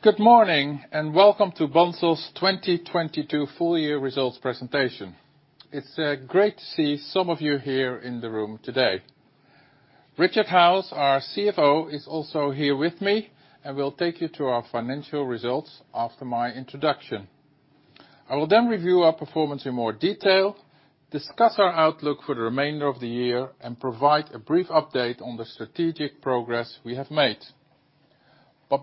Good morning and welcome to Bunzl's 2022 full year results presentation. It's great to see some of you here in the room today. Richard Howes, our CFO, is also here with me, and will take you to our financial results after my introduction. I will review our performance in more detail, discuss our outlook for the remainder of the year, and provide a brief update on the strategic progress we have made.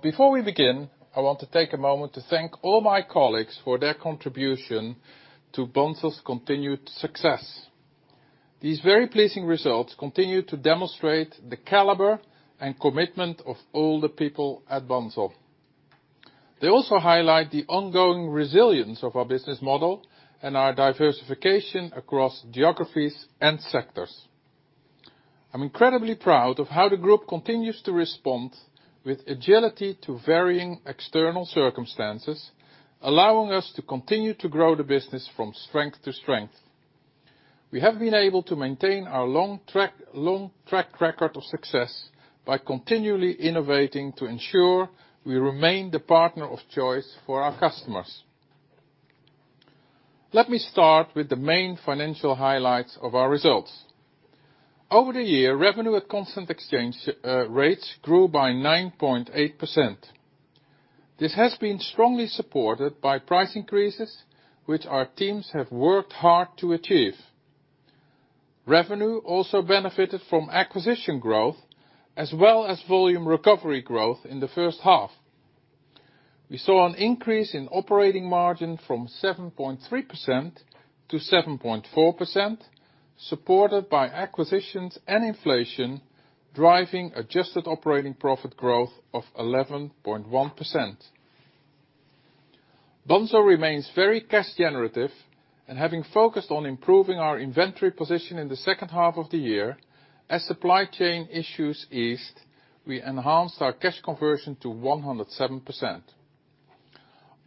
Before we begin, I want to take a moment to thank all my colleagues for their contribution to Bunzl's continued success. These very pleasing results continue to demonstrate the caliber and commitment of all the people at Bunzl. They also highlight the ongoing resilience of our business model and our diversification across geographies and sectors. I'm incredibly proud of how the group continues to respond with agility to varying external circumstances, allowing us to continue to grow the business from strength to strength. We have been able to maintain our long track record of success by continually innovating to ensure we remain the partner of choice for our customers. Let me start with the main financial highlights of our results. Over the year, revenue at constant exchange rates grew by 9.8%. This has been strongly supported by price increases, which our teams have worked hard to achieve. Revenue also benefited from acquisition growth, as well as volume recovery growth in the first half. We saw an increase in operating margin from 7.3% to 7.4%, supported by acquisitions and inflation, driving Adjusted operating profit growth of 11.1%. Bunzl remains very cash generative, and having focused on improving our inventory position in the second half of the year, as supply chain issues eased, we enhanced our cash conversion to 107%.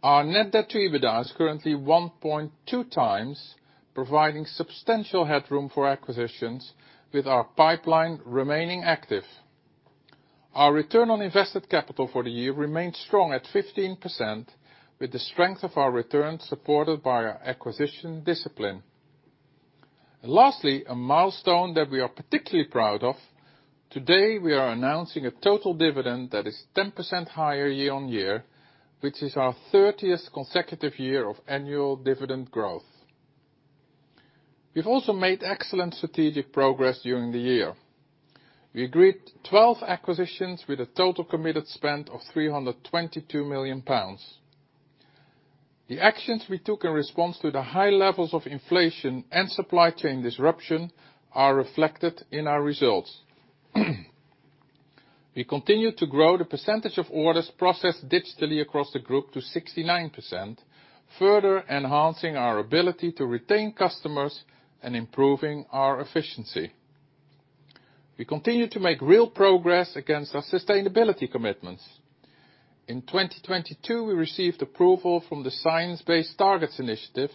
Our Net debt to EBITDA is currently 1.2x, providing substantial headroom for acquisitions with our pipeline remaining active. Our Return on invested capital for the year remained strong at 15%, with the strength of our return supported by our acquisition discipline. Lastly, a milestone that we are particularly proud of, today we are announcing a total dividend that is 10% higher year-over-year, which is our 30th consecutive year of annual dividend growth. We've also made excellent strategic progress during the year. We agreed 12 acquisitions with a total committed spend of 322 million pounds. The actions we took in response to the high levels of inflation and supply chain disruption are reflected in our results. We continued to grow the percentage of orders processed digitally across the group to 69%, further enhancing our ability to retain customers and improving our efficiency. We continued to make real progress against our sustainability commitments. In 2022, we received approval from the Science Based Targets initiative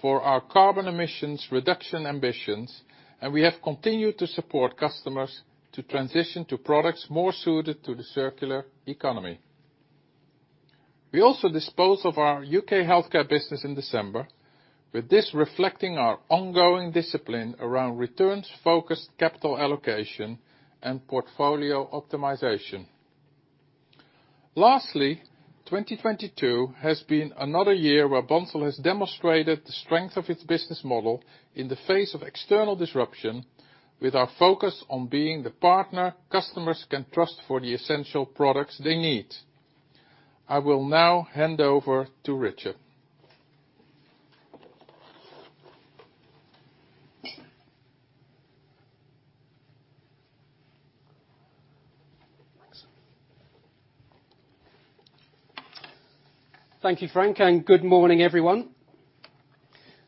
for our carbon emissions reduction ambitions, and we have continued to support customers to transition to products more suited to the circular economy. We also disposed of our U.K. healthcare business in December, with this reflecting our ongoing discipline around returns-focused capital allocation and portfolio optimization. Lastly, 2022 has been another year where Bunzl has demonstrated the strength of its business model in the face of external disruption with our focus on being the partner customers can trust for the essential products they need. I will now hand over to Richard. Thank you Frank. Good morning everyone.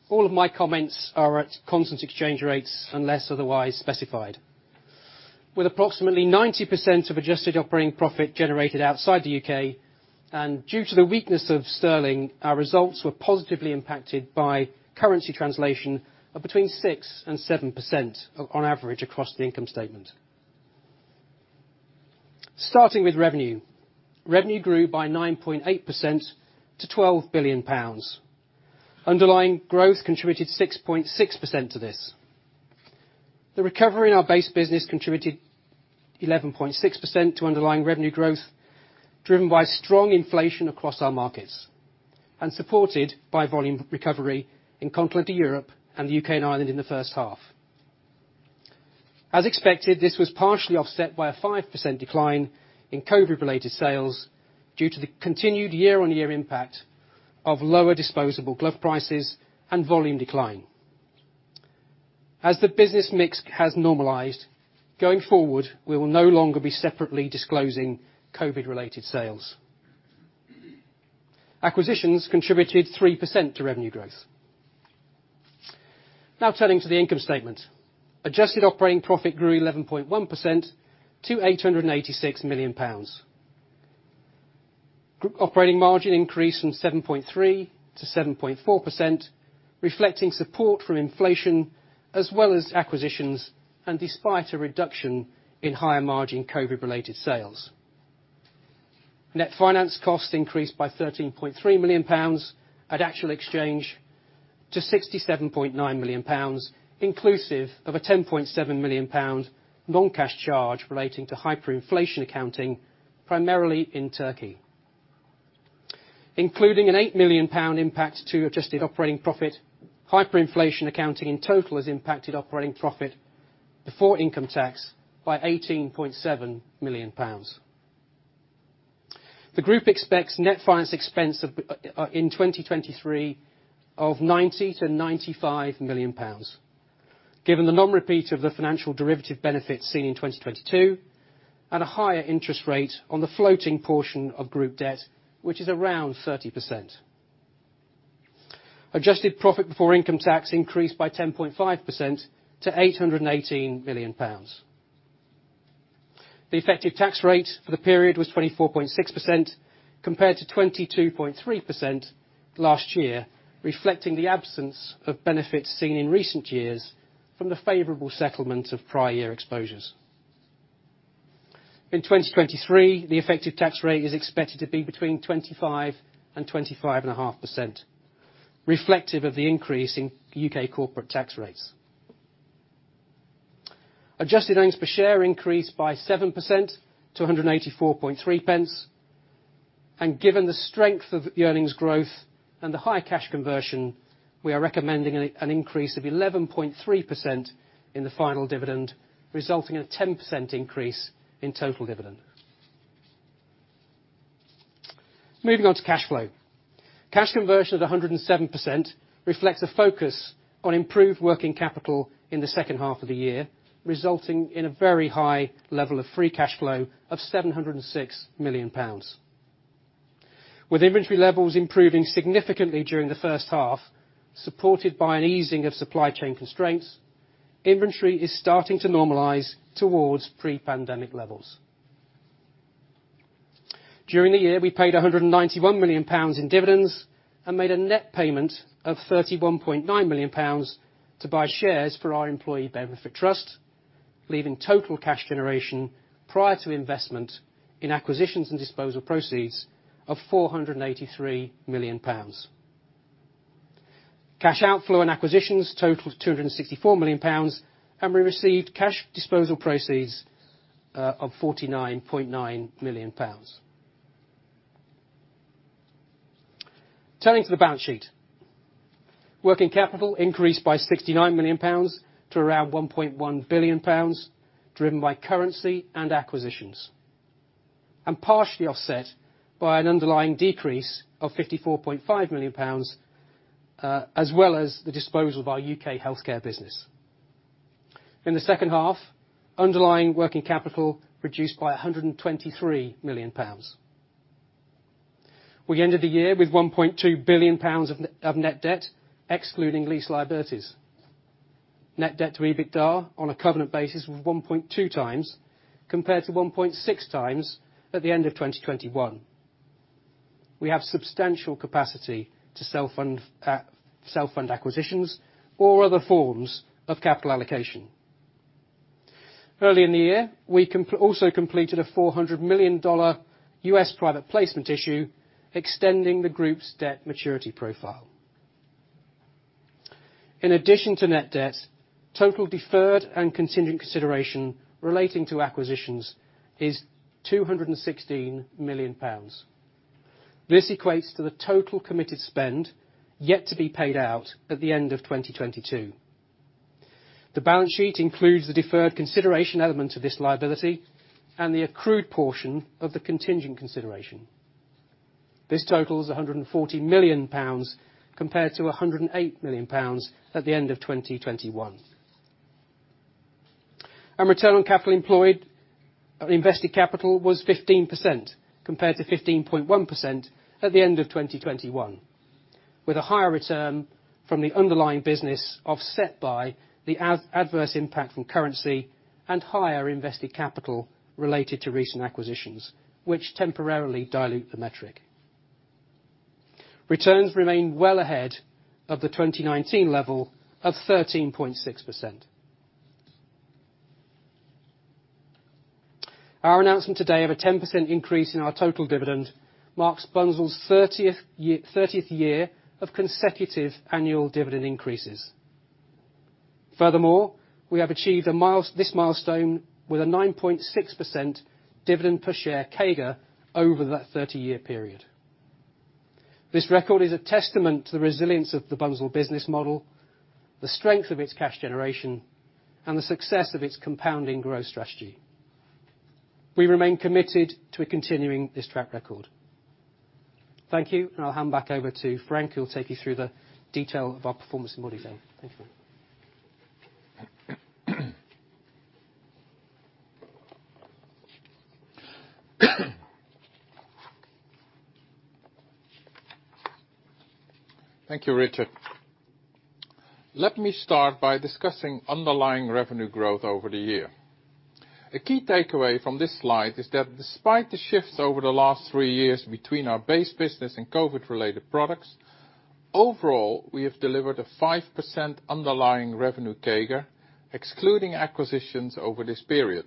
All of my comments are at constant exchange rates, unless otherwise specified. With approximately 90% of Adjusted operating profit generated outside the U.K., and due to the weakness of sterling, our results were positively impacted by currency translation of between 6%-7% on average across the income statement. Starting with revenue. Revenue grew by 9.8% to 12 billion pounds. Underlying growth contributed 6.6% to this. The recovery in our base business contributed 11.6% to underlying revenue growth, driven by strong inflation across our markets and supported by volume recovery in Continental Europe and the U.K., and Ireland in the first half. As expected, this was partially offset by a 5% decline in COVID-related sales due to the continued year-on-year impact of lower disposable glove prices and volume decline. As the business mix has normalized, going forward, we will no longer be separately disclosing COVID-related sales. Acquisitions contributed 3% to revenue growth. Turning to the income statement. Adjusted operating profit grew 11.1% to 886 million pounds. Group operating margin increased from 7.3% to 7.4%, reflecting support from inflation as well as acquisitions, and despite a reduction in higher margin COVID-related sales. Net finance costs increased by 13.3 million pounds at actual exchange to 67.9 million pounds, inclusive of a 10.7 million pound non-cash charge relating to hyperinflation accounting, primarily in Turkey. Including a 8 million pound impact to Adjusted operating profit, hyperinflation accounting in total has impacted operating profit before income tax by 18.7 million pounds. The group expects net finance expense in 2023 of 90 million-95 million pounds, given the non-repeat of the financial derivative benefits seen in 2022, at a higher interest rate on the floating portion of group debt, which is around 30%, Adjusted profit before income tax increased by 10.5% to 818 million pounds. The effective tax rate for the period was 24.6% compared to 22.3% last year, reflecting the absence of benefits seen in recent years from the favorable settlement of prior year exposures. In 2023, the effective tax rate is expected to be between 25% and 25.5%, reflective of the increase in U.K. corporate tax rates. Adjusted earnings per share increased by 7% to 184.3 pence. Given the strength of the earnings growth and the high cash conversion, we are recommending an increase of 11.3% in the final dividend, resulting in a 10% increase in total dividend. Moving on to cash flow, cash conversion of 107% reflects a focus on improved working capital in the second half of the year, resulting in a very high level of free cash flow of 706 million pounds. With inventory levels improving significantly during the first half, supported by an easing of supply chain constraints, inventory is starting to normalize towards pre-pandemic levels. During the year, we paid 191 million pounds in dividends and made a net payment of 31.9 million pounds to buy shares for our employee benefit trust, leaving total cash generation prior to investment in acquisitions and disposal proceeds of GBP 483 million. Cash outflow and acquisitions totaled GBP 264 million, we received cash disposal proceeds of 49.9 million pounds. Turning to the balance sheet, working capital increased by 69 million pounds to around 1.1 billion pounds, driven by currency and acquisitions, and partially offset by an underlying decrease of 54.5 million pounds, as well as the disposal of our U.K. healthcare business. In the second half, underlying working capital reduced by 123 million pounds. We ended the year with 1.2 billion pounds of net debt, excluding lease liabilities. Net debt to EBITDA on a covenant basis was 1.2xcompared to 1.6x at the end of 2021. We have substantial capacity to self-fund acquisitions or other forms of capital allocation. Early in the year, we also completed a $400 million U.S. private placement issue, extending the group's debt maturity profile. In addition to net debt, total deferred and contingent consideration relating to acquisitions is 216 million pounds. This equates to the total committed spend yet to be paid out at the end of 2022. The balance sheet includes the deferred consideration element of this liability and the accrued portion of the contingent consideration. This totals 140 million pounds compared to 108 million pounds at the end of 2021. Return on invested capital was 15% compared to 15.1% at the end of 2021, with a higher return from the underlying business offset by the adverse impact from currency and higher invested capital related to recent acquisitions, which temporarily dilute the metric. Returns remain well ahead of the 2019 level of 13.6%. Our announcement today of a 10% increase in our total dividend marks Bunzl's 30th year of consecutive annual dividend increases. Furthermore, we have achieved this milestone with a 9.6% dividend per share CAGR over that 30-year period. This record is a testament to the resilience of the Bunzl business model, the strength of its cash generation, and the success of its compounding growth strategy. We remain committed to continuing this track record. Thank you, and I'll hand back over to Frank, who will take you through the detail of our performance in more detail. Thank you. Thank you Richard. Let me start by discussing underlying revenue growth over the year. A key takeaway from this slide is that despite the shifts over the last three years between our base business and COVID-related products, overall, we have delivered a 5% underlying revenue CAGR, excluding acquisitions over this period.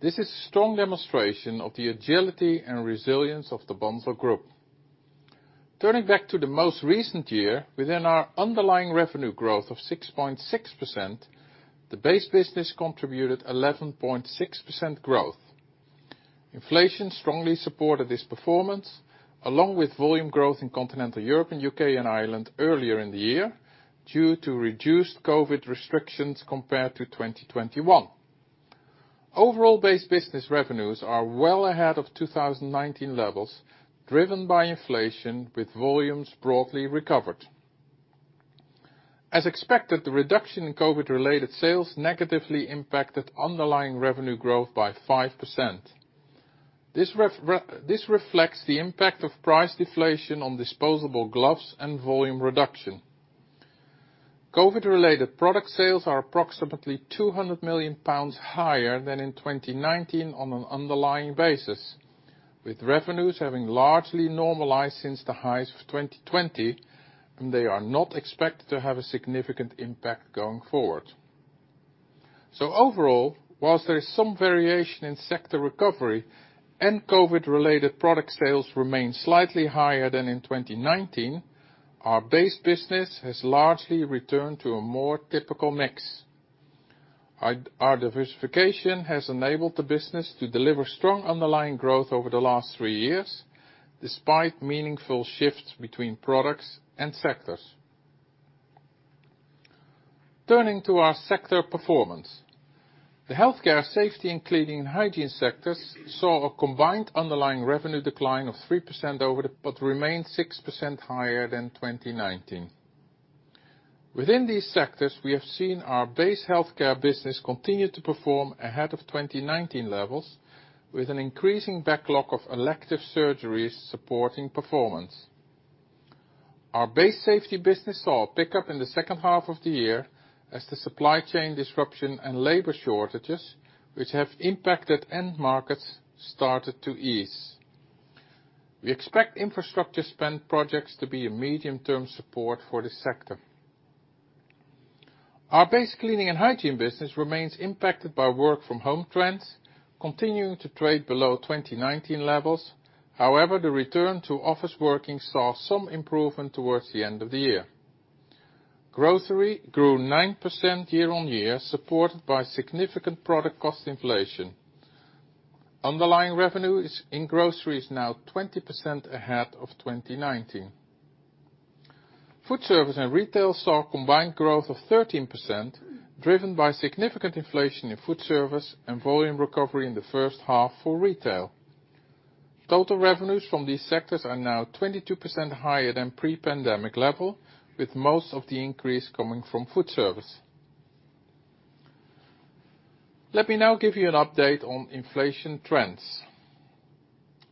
This is strong demonstration of the agility and resilience of the Bunzl Group. Turning back to the most recent year, within our underlying revenue growth of 6.6%, the base business contributed 11.6% growth. Inflation strongly supported this performance, along with volume growth in Continental Europe and U.K., and Ireland earlier in the year due to reduced COVID restrictions compared to 2021. Overall base business revenues are well ahead of 2019 levels, driven by inflation with volumes broadly recovered. As expected, the reduction in COVID-related sales negatively impacted underlying revenue growth by 5%. This reflects the impact of price deflation on disposable gloves and volume reduction. COVID-related product sales are approximately 200 million pounds higher than in 2019 on an underlying basis, with revenues having largely normalized since the highs of 2020, and they are not expected to have a significant impact going forward. Overall, whilst there is some variation in sector recovery and COVID-related product sales remain slightly higher than in 2019, our base business has largely returned to a more typical mix. Our diversification has enabled the business to deliver strong underlying growth over the last three years, despite meaningful shifts between products and sectors. Turning to our sector performance. The healthcare, safety, and cleaning and hygiene sectors saw a combined underlying revenue decline of 3% over, but remained 6% higher than 2019. Within these sectors, we have seen our base healthcare business continue to perform ahead of 2019 levels, with an increasing backlog of elective surgeries supporting performance. Our base safety business saw a pickup in the second half of the year as the supply chain disruption and labor shortages, which have impacted end markets, started to ease. We expect infrastructure spend projects to be a medium-term support for this sector. Our base cleaning and hygiene business remains impacted by work from home trends, continuing to trade below 2019 levels. However, the return to office working saw some improvement towards the end of the year. Grocery grew 9% year-on-year, supported by significant product cost inflation. Underlying revenue is, in grocery is now 20% ahead of 2019. Food service and retail saw combined growth of 13%, driven by significant inflation in food service and volume recovery in the first half for retail. Total revenues from these sectors are now 22% higher than pre-pandemic level, with most of the increase coming from food service. Let me now give you an update on inflation trends.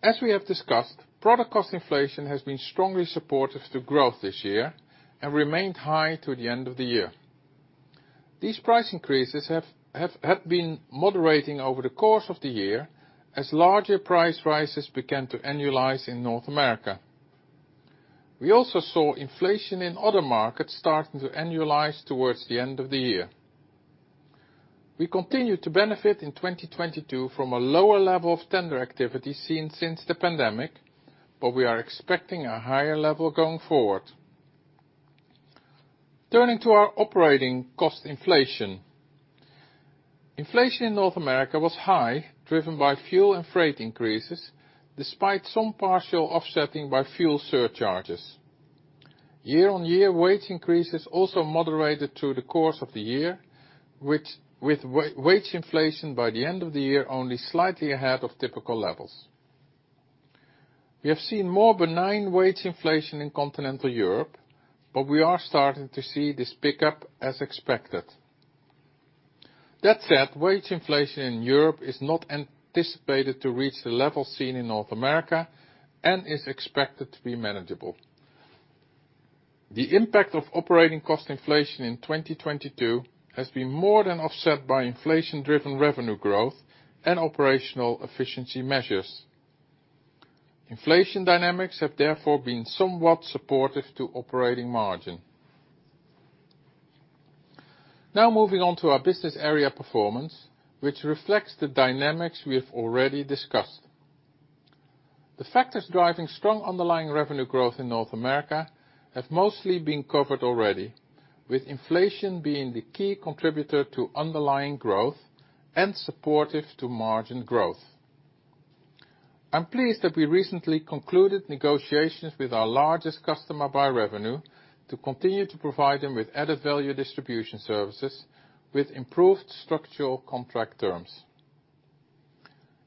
As we have discussed, product cost inflation has been strongly supportive to growth this year and remained high to the end of the year. These price increases have been moderating over the course of the year as larger price rises began to annualize in North America. We also saw inflation in other markets starting to annualize towards the end of the year. We continued to benefit in 2022 from a lower level of tender activity seen since the pandemic, we are expecting a higher level going forward. Turning to our operating cost inflation. Inflation in North America was high, driven by fuel and freight increases, despite some partial offsetting by fuel surcharges. Year-on-year, wage increases also moderated through the course of the year, which, with wage inflation by the end of the year only slightly ahead of typical levels. We have seen more benign wage inflation in Continental Europe, we are starting to see this pick up as expected. That said, wage inflation in Europe is not anticipated to reach the levels seen in North America and is expected to be manageable. The impact of operating cost inflation in 2022 has been more than offset by inflation-driven revenue growth and operational efficiency measures. Inflation dynamics have been somewhat supportive to operating margin. Moving on to our business area performance, which reflects the dynamics we have already discussed. The factors driving strong underlying revenue growth in North America have mostly been covered already, with inflation being the key contributor to underlying growth and supportive to margin growth. I'm pleased that we recently concluded negotiations with our largest customer by revenue to continue to provide them with added value distribution services with improved structural contract terms.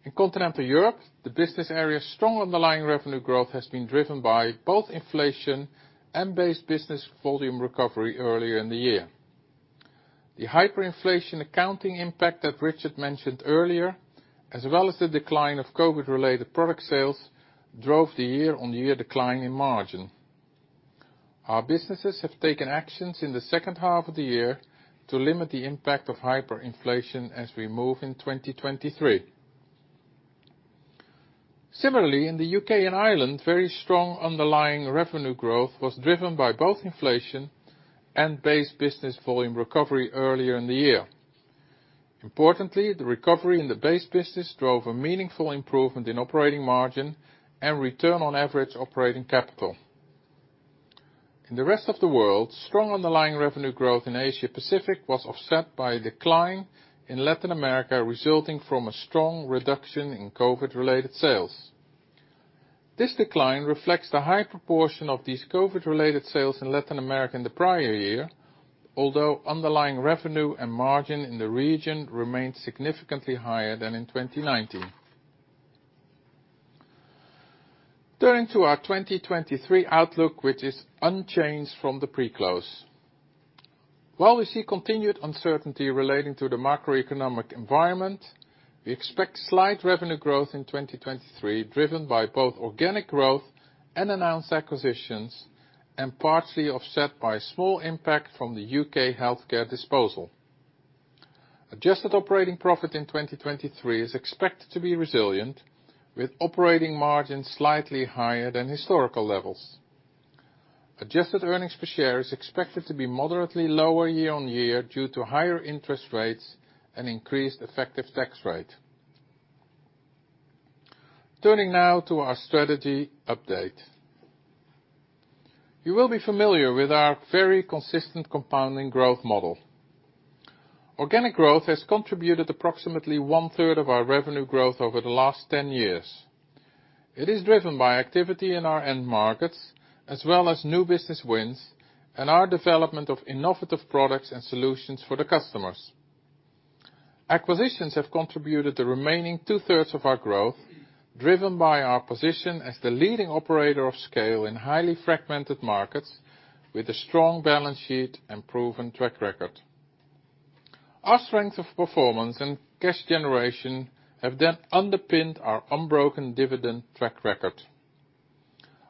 In Continental Europe, the business area's strong underlying revenue growth has been driven by both inflation and base business volume recovery earlier in the year. The hyperinflation accounting impact that Richard mentioned earlier, as well as the decline of COVID-related product sales, drove the year-on-year decline in margin. Our businesses have taken actions in the second half of the year to limit the impact of hyperinflation as we move in 2023. Similarly, in the U.K. and Ireland, very strong underlying revenue growth was driven by both inflation and base business volume recovery earlier in the year. Importantly, the recovery in the base business drove a meaningful improvement in operating margin and return on average operating capital. In the rest of the world, strong underlying revenue growth in Asia-Pacific was offset by a decline in Latin America, resulting from a strong reduction in COVID-related sales. This decline reflects the high proportion of these COVID-related sales in Latin America in the prior year, although underlying revenue and margin in the region remained significantly higher than in 2019. Turning to our 2023 outlook, which is unchanged from the pre-close. While we see continued uncertainty relating to the macroeconomic environment, we expect slight revenue growth in 2023, driven by both organic growth and announced acquisitions, and partially offset by small impact from the U.K. healthcare disposal. Adjusted operating profit in 2023 is expected to be resilient, with operating margins slightly higher than historical levels. Adjusted earnings per share is expected to be moderately lower year-on-year due to higher interest rates and increased effective tax rate. Turning now to our strategy update. You will be familiar with our very consistent compounding growth model. Organic growth has contributed approximately 1/3 of our revenue growth over the last 10 years. It is driven by activity in our end markets, as well as new business wins and our development of innovative products and solutions for the customers. Acquisitions have contributed the remaining 2/3 of our growth, driven by our position as the leading operator of scale in highly fragmented markets with a strong balance sheet and proven track record. Our strength of performance and cash generation have underpinned our unbroken dividend track record.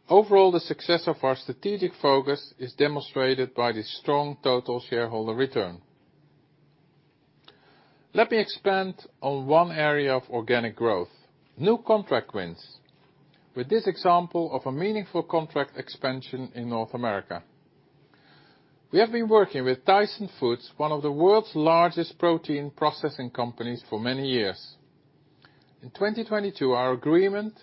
Overall, the success of our strategic focus is demonstrated by the strong total shareholder return. Let me expand on one area of organic growth, new contract wins, with this example of a meaningful contract expansion in North America. We have been working with Tyson Foods, one of the world's largest protein processing companies, for many years. In 2022, our agreement,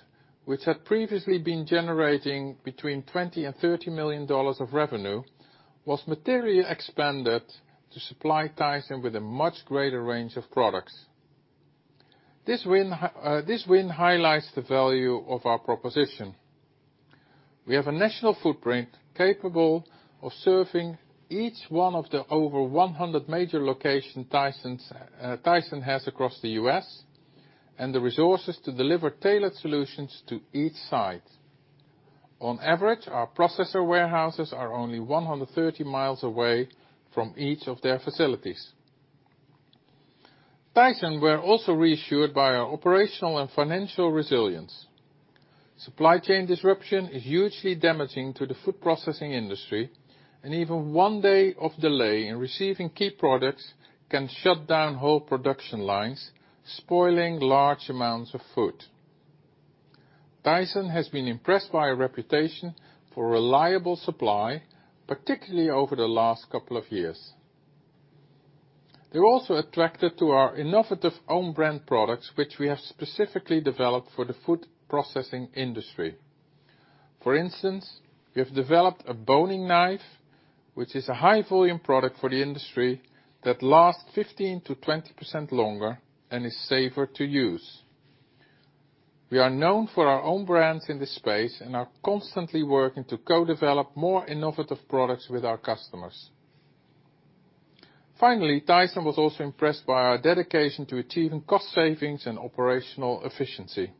which had previously been generating between $20 million and $30 million of revenue, was materially expanded to supply Tyson with a much greater range of products. This win highlights the value of our proposition. We have a national footprint capable of serving each one of the over 100 major location Tysons, Tyson has across the U.S., and the resources to deliver tailored solutions to each site. On average, our processor warehouses are only 130 mi away from each of their facilities. Tyson were also reassured by our operational and financial resilience. Supply chain disruption is hugely damaging to the food processing industry, and even one day of delay in receiving key products can shut down whole production lines, spoiling large amounts of food. Tyson has been impressed by a reputation for reliable supply, particularly over the last couple of years. They're also attracted to our innovative own brand products which we have specifically developed for the food processing industry. For instance, we have developed a boning knife, which is a high volume product for the industry that lasts 15%-20% longer and is safer to use. We are known for our own brands in this space and are constantly working to co-develop more innovative products with our customers. Finally, Tyson was also impressed by our dedication to achieving cost savings and operational efficiency.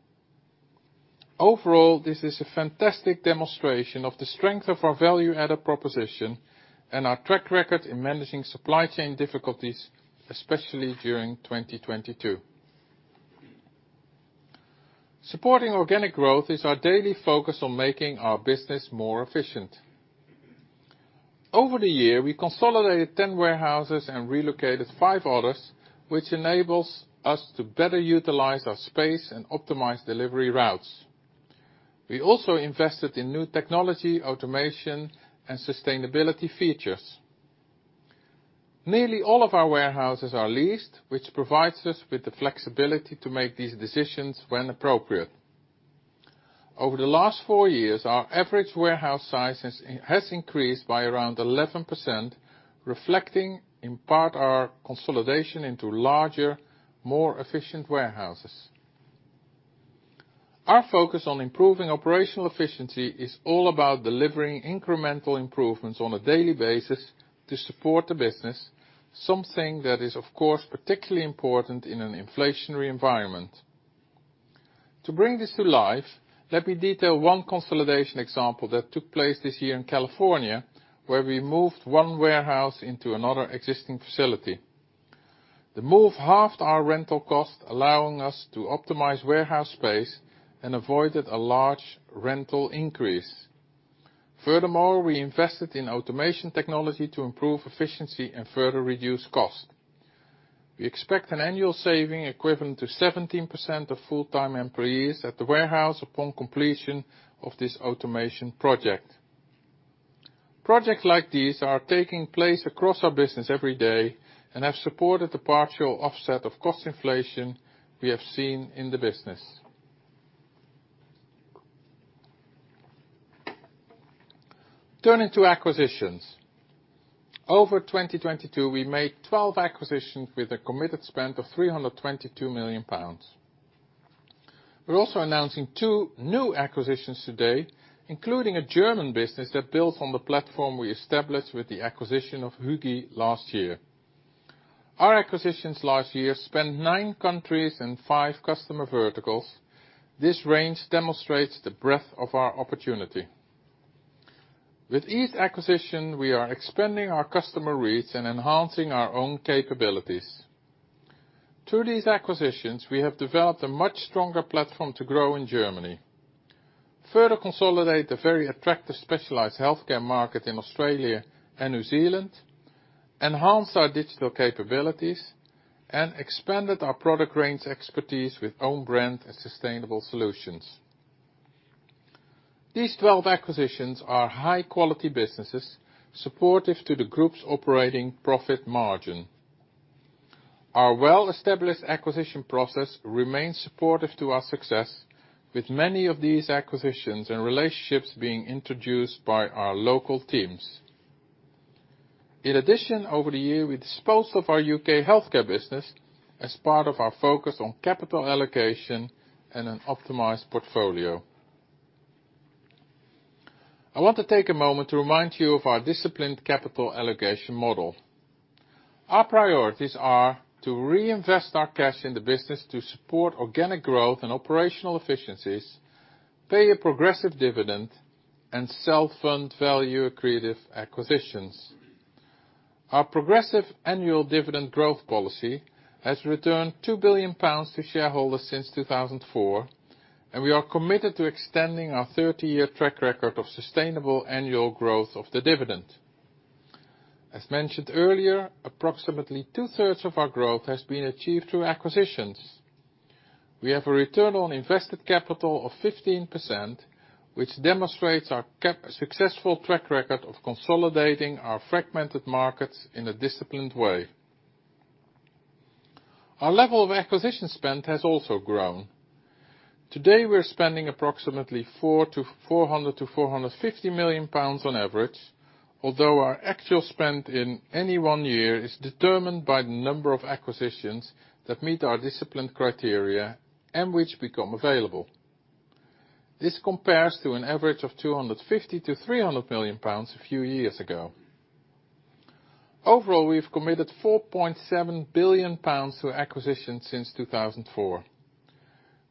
Overall, this is a fantastic demonstration of the strength of our value-added proposition and our track record in managing supply chain difficulties, especially during 2022. Supporting organic growth is our daily focus on making our business more efficient. Over the year, we consolidated 10 warehouses and relocated five others, which enables us to better utilize our space and optimize delivery routes. We also invested in new technology, automation, and sustainability features. Nearly all of our warehouses are leased, which provides us with the flexibility to make these decisions when appropriate. Over the last four years, our average warehouse size has increased by around 11%, reflecting in part our consolidation into larger, more efficient warehouses. Our focus on improving operational efficiency is all about delivering incremental improvements on a daily basis to support the business, something that is, of course, particularly important in an inflationary environment. To bring this to life, let me detail one consolidation example that took place this year in California, where we moved one warehouse into another existing facility. The move halved our rental cost, allowing us to optimize warehouse space and avoided a large rental increase. We invested in automation technology to improve efficiency and further reduce cost. We expect an annual saving equivalent to 17% of full-time employees at the warehouse upon completion of this automation project. Projects like these are taking place across our business every day and have supported the partial offset of cost inflation we have seen in the business. Turning to acquisitions. Over 2022, we made 12 acquisitions with a committed spend of 322 million pounds. We're also announcing two new acquisitions today, including a German business that builds on the platform we established with the acquisition of Hygi.de last year. Our acquisitions last year spanned nine countries and five customer verticals. This range demonstrates the breadth of our opportunity. With each acquisition, we are expanding our customer reach and enhancing our own capabilities. Through these acquisitions, we have developed a much stronger platform to grow in Germany. Further consolidate the very attractive specialized healthcare market in Australia and New Zealand, enhance our digital capabilities, and expanded our product range expertise with own brand and sustainable solutions. These 12 acquisitions are high-quality businesses supportive to the group's operating profit margin. Our well-established acquisition process remains supportive to our success, with many of these acquisitions and relationships being introduced by our local teams. Over the year, we disposed of our U.K. healthcare business as part of our focus on capital allocation and an optimized portfolio. I want to take a moment to remind you of our disciplined capital allocation model. Our priorities are to reinvest our cash in the business to support organic growth and operational efficiencies, pay a progressive dividend, and self-fund value-accretive acquisitions. Our progressive annual dividend growth policy has returned 2 billion pounds to shareholders since 2004, we are committed to extending our 30-year track record of sustainable annual growth of the dividend. As mentioned earlier, approximately two-thirds of our growth has been achieved through acquisitions. We have a Return on invested capital of 15%, which demonstrates our successful track record of consolidating our fragmented markets in a disciplined way. Our level of acquisition spend has also grown. Today, we're spending approximately 400 million-450 million pounds on average, although our actual spend in any one year is determined by the number of acquisitions that meet our disciplined criteria and which become available. This compares to an average of 250 million-300 million pounds a few years ago. Overall, we have committed 4.7 billion pounds to acquisitions since 2004.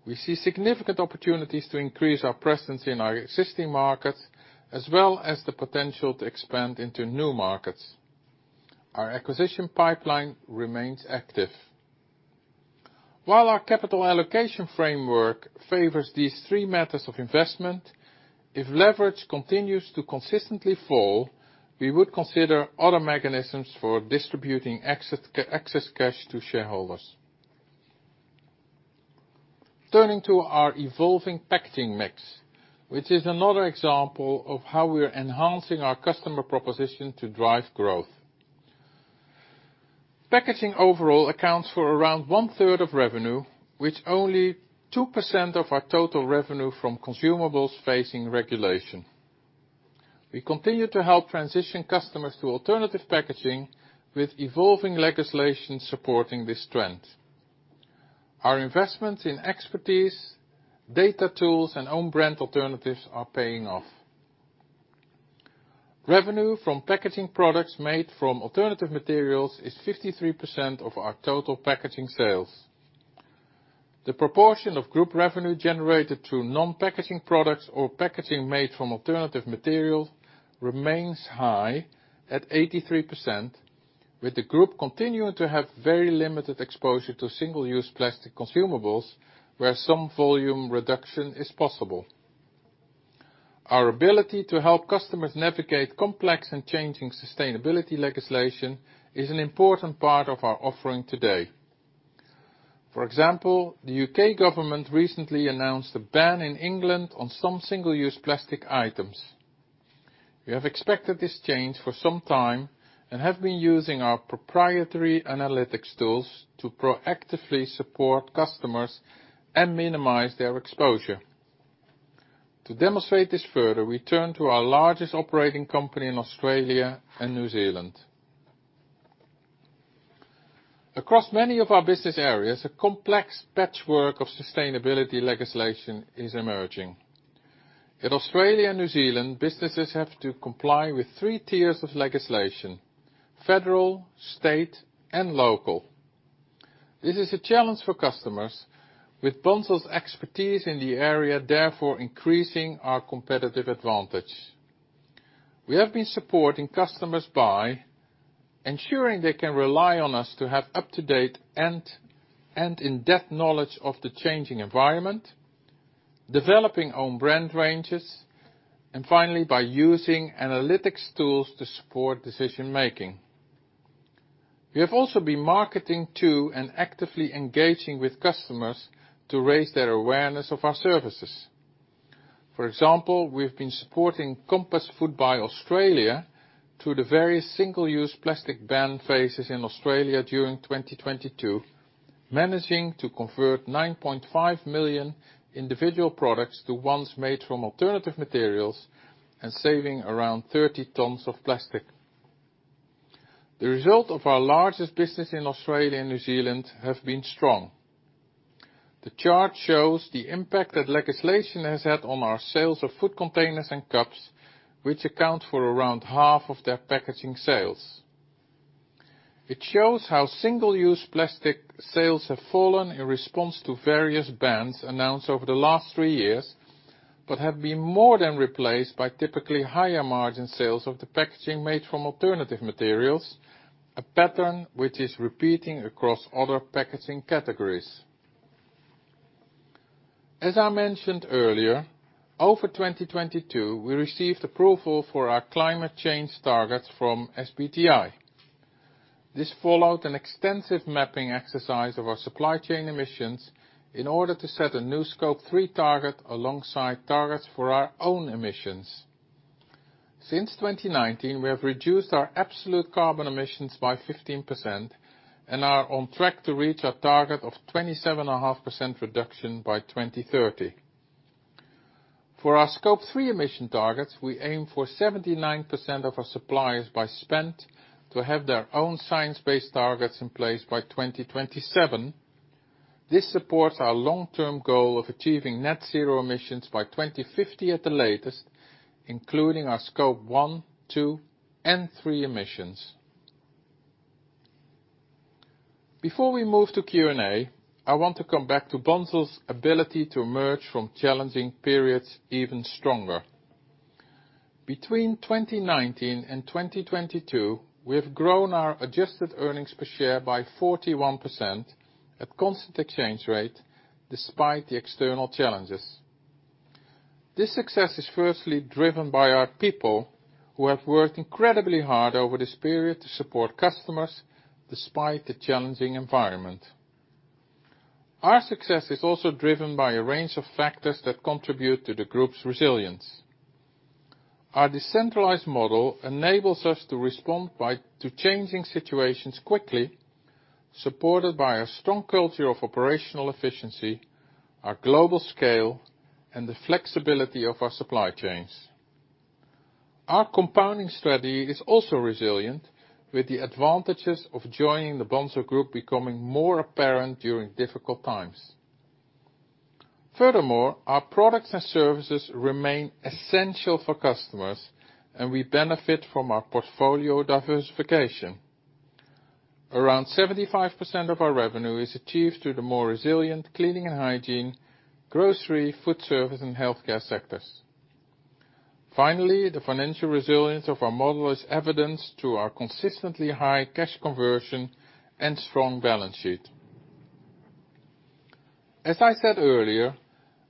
We see significant opportunities to increase our presence in our existing markets, as well as the potential to expand into new markets. Our acquisition pipeline remains active. While our capital allocation framework favors these three methods of investment, if leverage continues to consistently fall, we would consider other mechanisms for distributing excess cash to shareholders. Turning to our evolving packaging mix, which is another example of how we are enhancing our customer proposition to drive growth. Packaging overall accounts for around 1/3 of revenue, with only 2% of our total revenue from consumables facing regulation. We continue to help transition customers to alternative packaging with evolving legislation supporting this trend. Our investments in expertise, data tools, and own brand alternatives are paying off. Revenue from packaging products made from alternative materials is 53% of our total packaging sales. The proportion of group revenue generated through non-packaging products or packaging made from alternative materials remains high at 83%, with the group continuing to have very limited exposure to single-use plastic consumables, where some volume reduction is possible. Our ability to help customers navigate complex and changing sustainability legislation is an important part of our offering today. For example, the U.K. government recently announced a ban in England on some single-use plastic items. We have expected this change for some time and have been using our proprietary analytics tools to proactively support customers and minimize their exposure. To demonstrate this further, we turn to our largest operating company in Australia and New Zealand. Across many of our business areas, a complex patchwork of sustainability legislation is emerging. In Australia and New Zealand, businesses have to comply with three tiers of legislation, federal, state, and local. This is a challenge for customers with Bunzl's expertise in the area, therefore increasing our competitive advantage. We have been supporting customers by ensuring they can rely on us to have up-to-date and in-depth knowledge of the changing environment, developing own brand ranges, and finally, by using analytics tools to support decision-making. We have also been marketing to and actively engaging with customers to raise their awareness of our services. For example, we've been supporting Compass Group by Australia through the various single-use plastic ban phases in Australia during 2022, managing to convert 9.5 million individual products to ones made from alternative materials and saving around 30 tons of plastic. The result of our largest business in Australia and New Zealand have been strong. The chart shows the impact that legislation has had on our sales of food containers and cups, which account for around half of their packaging sales. It shows how single-use plastic sales have fallen in response to various bans announced over the last three years, but have been more than replaced by typically higher margin sales of the packaging made from alternative materials, a pattern which is repeating across other packaging categories. As I mentioned earlier, over 2022, we received approval for our climate change targets from SBTi. This followed an extensive mapping exercise of our supply chain emissions in order to set a new Scope 3 target alongside targets for our own emissions. Since 2019, we have reduced our absolute carbon emissions by 15% and are on track to reach our target of 27.5% reduction by 2030. For our Scope 3 emission targets, we aim for 79% of our suppliers by spend to have their own Science Based Targets in place by 2027. This supports our long-term goal of achieving net zero emissions by 2050 at the latest, including our Scope 1, 2, and 3 emissions. Before we move to Q&A, I want to come back to Bunzl's ability to emerge from challenging periods even stronger. Between 2019 and 2022, we have grown our Adjusted earnings per share by 41% at constant exchange rate despite the external challenges. This success is firstly driven by our people who have worked incredibly hard over this period to support customers despite the challenging environment. Our success is also driven by a range of factors that contribute to the group's resilience. Our decentralized model enables us to respond to changing situations quickly, supported by a strong culture of operational efficiency, our global scale, and the flexibility of our supply chains. Our compounding strategy is also resilient, with the advantages of joining the Bunzl Group becoming more apparent during difficult times. Furthermore, our products and services remain essential for customers, and we benefit from our portfolio diversification. Around 75% of our revenue is achieved through the more resilient cleaning and hygiene, grocery, food service, and healthcare sectors. Finally, the financial resilience of our model is evidenced through our consistently high cash conversion and strong balance sheet. As I said earlier,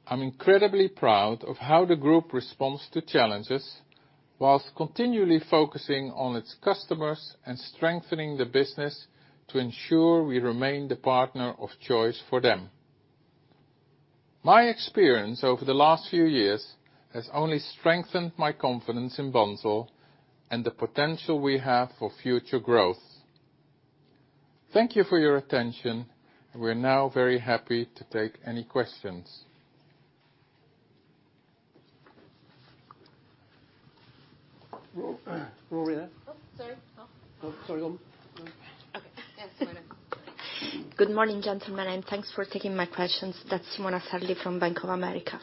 I'm incredibly proud of how the Group responds to challenges while continually focusing on its customers and strengthening the business to ensure we remain the partner of choice for them. My experience over the last few years has only strengthened my confidence in Bunzl and the potential we have for future growth. Thank you for your attention. We're now very happy to take any questions. Rory there. Oh, sorry. Sorry. Go on. Okay. Yeah, it's Simona. Good morning gentlemen and thanks for taking my questions, that's Simona Sarli from Bank of America.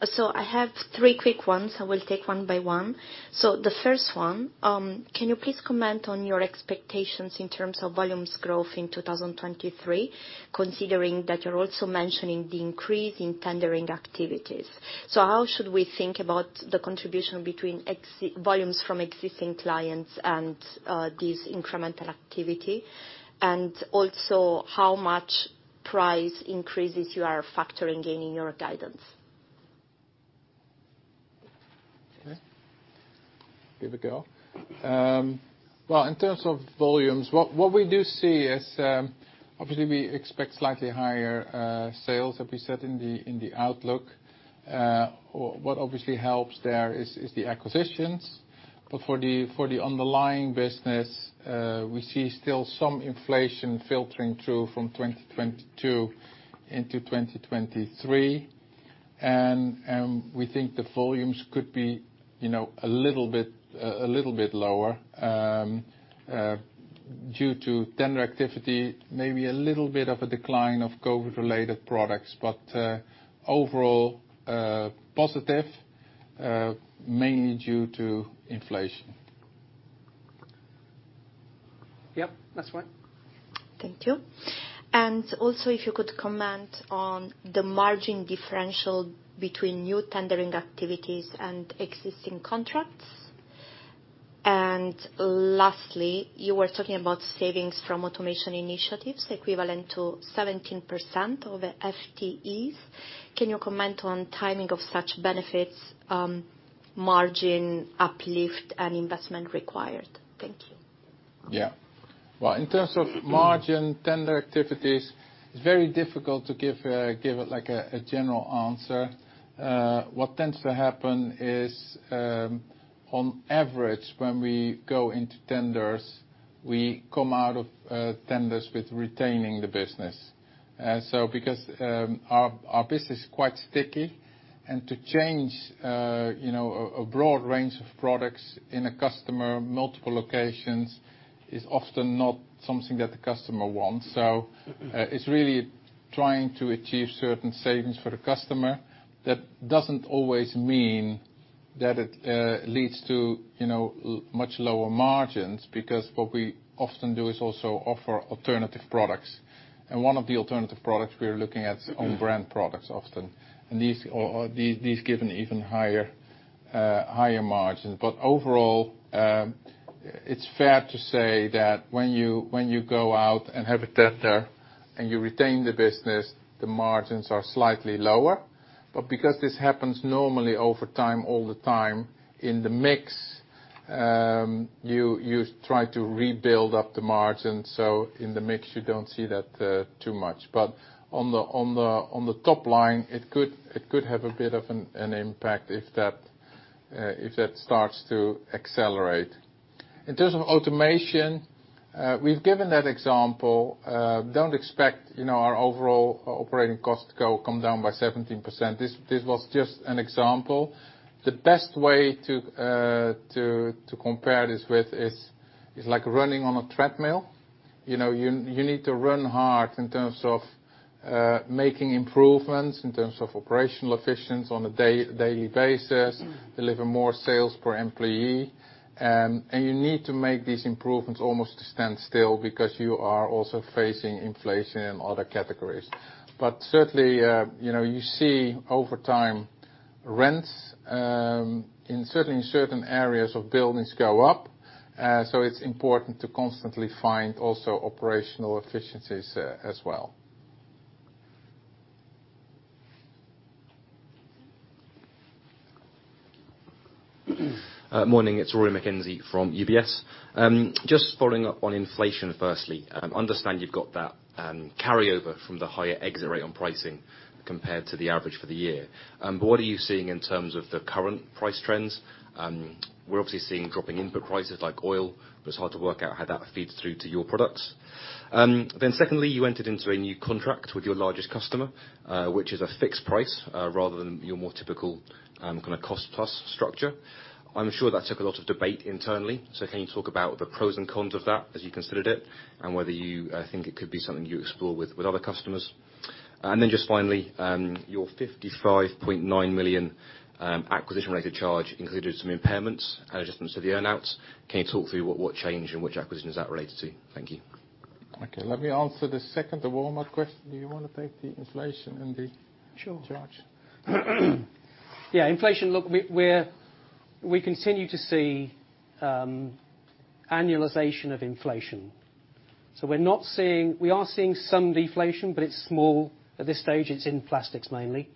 I have three quick ones. I will take one by one. The first one, can you please comment on your expectations in terms of volumes growth in 2023, considering that you're also mentioning the increase in tendering activities? How should we think about the contribution between volumes from existing clients and this incremental activity? Also how much price increases you are factoring in in your guidance? Okay, give it go. Well, in terms of volumes, what we do see is, obviously, we expect slightly higher sales, as we said in the outlook. What obviously helps there is the acquisitions. For the underlying business, we see still some inflation filtering through from 2022 into 2023. We think the volumes could be, you know, a little bit lower. Due to tender activity, maybe a little bit of a decline of COVID-related products, but overall positive, mainly due to inflation. Yep, that's right. Thank you. Also, if you could comment on the margin differential between new tendering activities and existing contracts. Lastly, you were talking about savings from automation initiatives equivalent to 17% of the FTEs. Can you comment on timing of such benefits, margin uplift and investment required? Thank you. Well, in terms of margin tender activities, it's very difficult to give it like a general answer. What tends to happen is, on average, when we go into tenders, we come out of tenders with retaining the business. Because our business is quite sticky, and to change, you know, a broad range of products in a customer, multiple locations, is often not something that the customer wants. It's really trying to achieve certain savings for the customer. That doesn't always mean that it leads to, you know, much lower margins, because what we often do is also offer alternative products. One of the alternative products we're looking at is own brand products often. These are, these give an even higher margin but overall, it's fair to say that when you go out and have a tender and you retain the business, the margins are slightly lower. Because this happens normally over time, all the time, in the mix, you try to rebuild up the margin. In the mix, you don't see that too much. On the top line, it could have a bit of an impact if that starts to accelerate. In terms of automation, we've given that example. Don't expect, you know, our overall operating costs to come down by 17% this was just an example. The best way to compare this with is like running on a treadmill. You know, you need to run hard in terms of making improvements, in terms of operational efficiency on a daily basis, deliver more sales per employee. You need to make these improvements almost to stand still because you are also facing inflation in other categories. Certainly, you know, you see over time, rents, in certain areas of buildings go up. It's important to constantly find also operational efficiencies as well. Morning, it's Rory McKenzie from UBS. Just following up on inflation, firstly. Understand you've got that carryover from the higher exit rate on pricing compared to the average for the year. What are you seeing in terms of the current price trends? We're obviously seeing dropping input prices like oil, but it's hard to work out how that feeds through to your products. Secondly, you entered into a new contract with your largest customer, which is a fixed price, rather than your more typical kind of cost plus structure. I'm sure that took a lot of debate internally. Can you talk about the pros and cons of that as you considered it, and whether you think it could be something you explore with other customers? Just finally, your 55.9 million acquisition-related charge included some impairments and adjustments to the earn-outs. Can you talk through what change and which acquisition is that related to? Thank you. Okay, let me answer the second, the Walmart question. Do you wanna take the inflation and the charge? Yeah, inflation, look, we continue to see annualization of inflation. We're not seeing, we are seeing some deflation, but it's small. At this stage, it's in plastics mainly.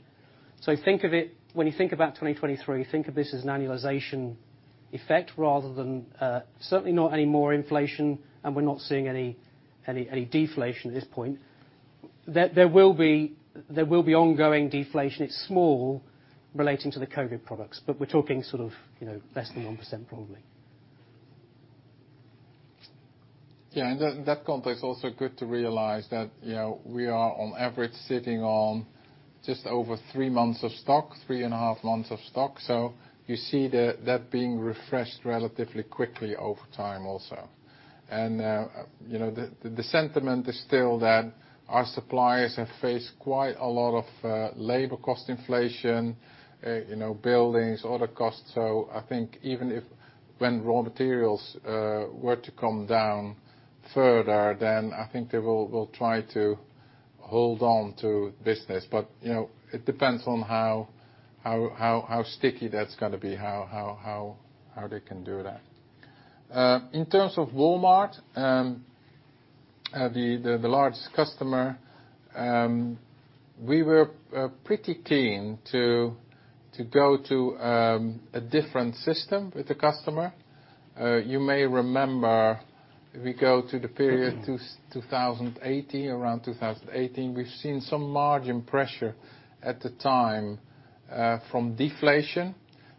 Think of it, when you think about 2023, think of this as an annualization effect rather than certainly not any more inflation, and we're not seeing any deflation at this point. There will be ongoing deflation, it's small, relating to the COVID products, but we're talking sort of, you know, less than 1% probably. In that context, also good to realize that, you know, we are on average sitting on just over three months of stock, three and a half months of stock. You see that being refreshed relatively quickly over time also. You know, the sentiment is still that our suppliers have faced quite a lot of labor cost inflation, you know, buildings, other costs. I think even if, when raw materials were to come down further, then I think they will try to hold on to business. You know, it depends on how sticky that's gonna be, how they can do that. In terms of Walmart, the largest customer, we were pretty keen to go to a different system with the customer. You may remember, if we go to the period 2018, around 2018, we've seen some margin pressure at the time from deflation.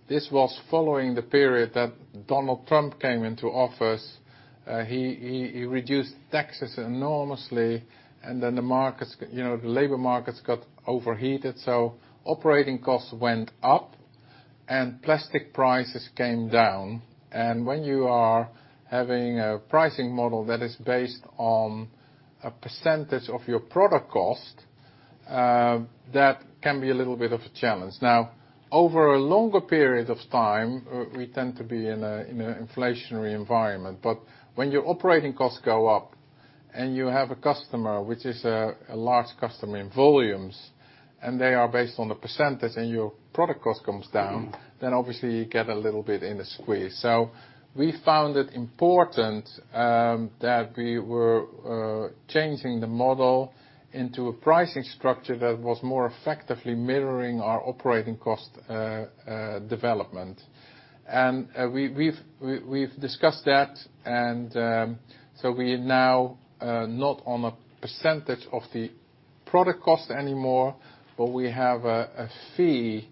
This was following the period that Donald Trump came into office. He reduced taxes enormously. The markets, you know, the labor markets got overheated. Operating costs went up. Plastic prices came down. When you are having a pricing model that is based on a percentage of your product cost, that can be a little bit of a challenge. Over a longer period of time, we tend to be in an inflationary environment. When your operating costs go up and you have a customer, which is a large customer in volumes, they are based on a percentage and your product cost comes down. Mm-hmm. Obviously you get a little bit in a squeeze. We found it important that we were changing the model into a pricing structure that was more effectively mirroring our operating cost development. We've discussed that. We now not on a percentage of the product cost anymore, but we have a fee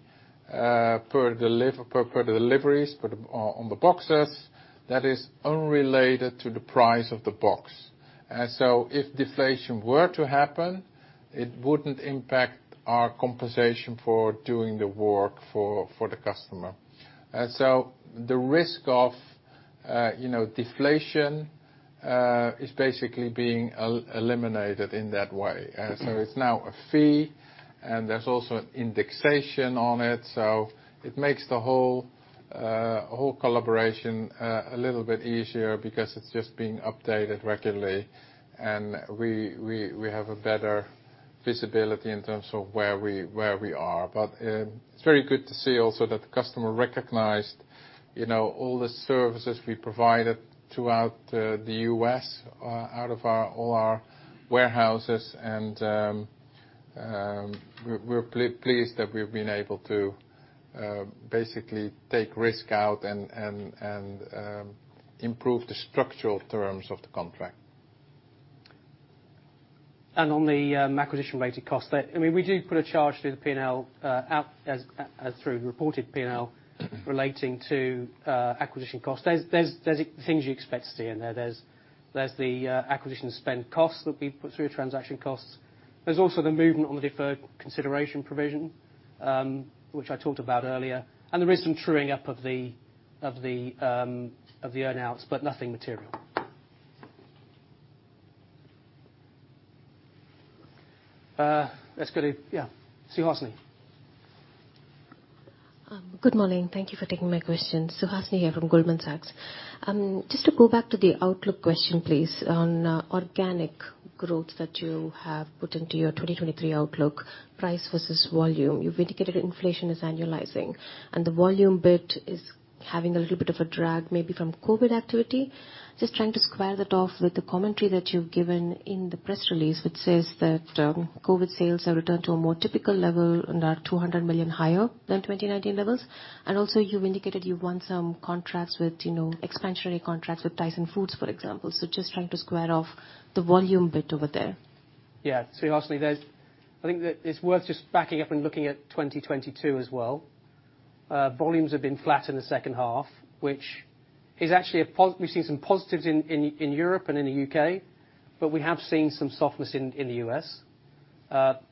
per deliveries, per the on the boxes that is unrelated to the price of the box. If deflation were to happen, it wouldn't impact our compensation for doing the work for the customer. The risk of, you know, deflation is basically being eliminated in that way. It's now a fee, and there's also an indexation on it. It makes the whole collaboration a little bit easier because it's just being updated regularly. We have a better visibility in terms of where we are. It's very good to see also that the customer recognized, you know, all the services we provided throughout the U.S. out of all our warehouses. We're pleased that we've been able to basically take risk out and improve the structural terms of the contract. On the acquisition-related cost, I mean, we do put a charge through the P&L out as through reported P&L relating to acquisition costs. There's things you expect to see in there. There's the acquisition spend costs that we put through transaction costs. There's also the movement on the deferred consideration provision, which I talked about earlier. There is some truing up of the earn-outs, but nothing material. Let's go to. Yeah. Suhasini. Good morning, thank you for taking my question. Suhasini here from Goldman Sachs. Just to go back to the outlook question, please, on organic growth that you have put into your 2023 outlook, price versus volume. You've indicated inflation is annualizing, and the volume bit is having a little bit of a drag, maybe from COVID activity. Just trying to square that off with the commentary that you've given in the press release, which says that COVID sales have returned to a more typical level and are 200 million higher than 2019 levels. Also, you've indicated you've won some contracts with, you know, expansionary contracts with Tyson Foods, for example. Just trying to square off the volume bit over there. Suhasini, it's worth just backing up and looking at 2022 as well. Volumes have been flat in the second half, which is actually we've seen some positives in Europe and in the UK, but we have seen some softness in the U.S..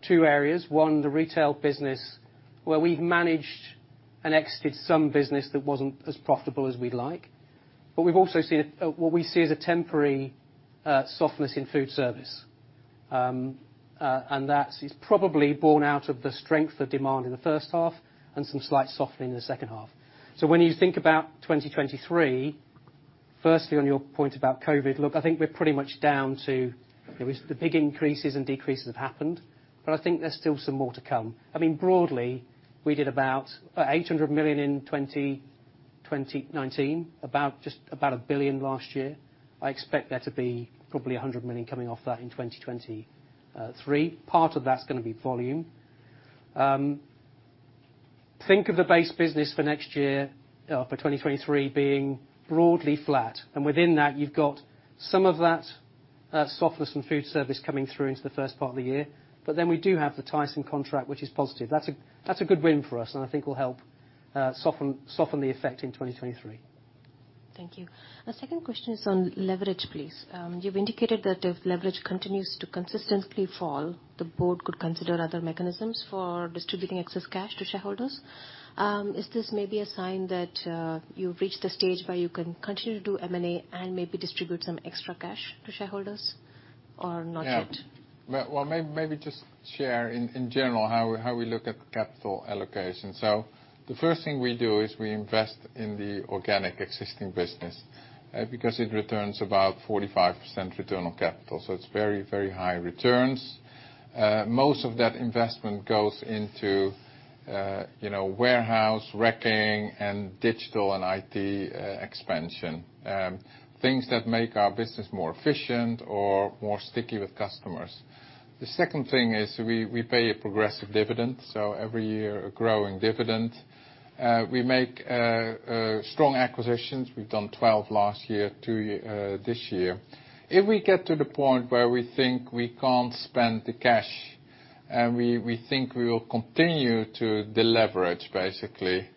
Two areas, one the retail business, where we've managed and exited some business that wasn't as profitable as we'd like. We've also seen a what we see as a temporary softness in food service. That is probably borne out of the strength of demand in the first half and some slight softening in the second half. When you think about 2023, firstly on your point about COVID, I think we're pretty much down to, you know, it's the big increases and decreases have happened, I think there's still some more to come. Broadly, we did about 800 million in 2019, just about 1 billion last year. I expect there to be probably 100 million coming off that in 2023. Part of that's gonna be volume. Think of the base business for next year, for 2023 being broadly flat. Within that, you've got some of that softness in food service coming through into the first part of the year. We do have the Tyson contract, which is positive that's a good win for us, and I think will help soften the effect in 2023. Thank you. My second question is on leverage, please. You've indicated that if leverage continues to consistently fall, the board could consider other mechanisms for distributing excess cash to shareholders. Is this maybe a sign that you've reached the stage where you can continue to do M&A and maybe distribute some extra cash to shareholders, or not yet? Well, maybe just share in general how we look at capital allocation. The first thing we do is we invest in the organic existing business because it returns about 45% return on capital, so it's very, very high returns. Most of that investment goes into, you know, warehouse racking and digital and IT expansion, things that make our business more efficient or more sticky with customers. The second thing is we pay a progressive dividend, so every year a growing dividend. We make strong acquisitions. We've done 12 last year, two this year. If we get to the point where we think we can't spend the cash and we think we will continue to deleverage, basically,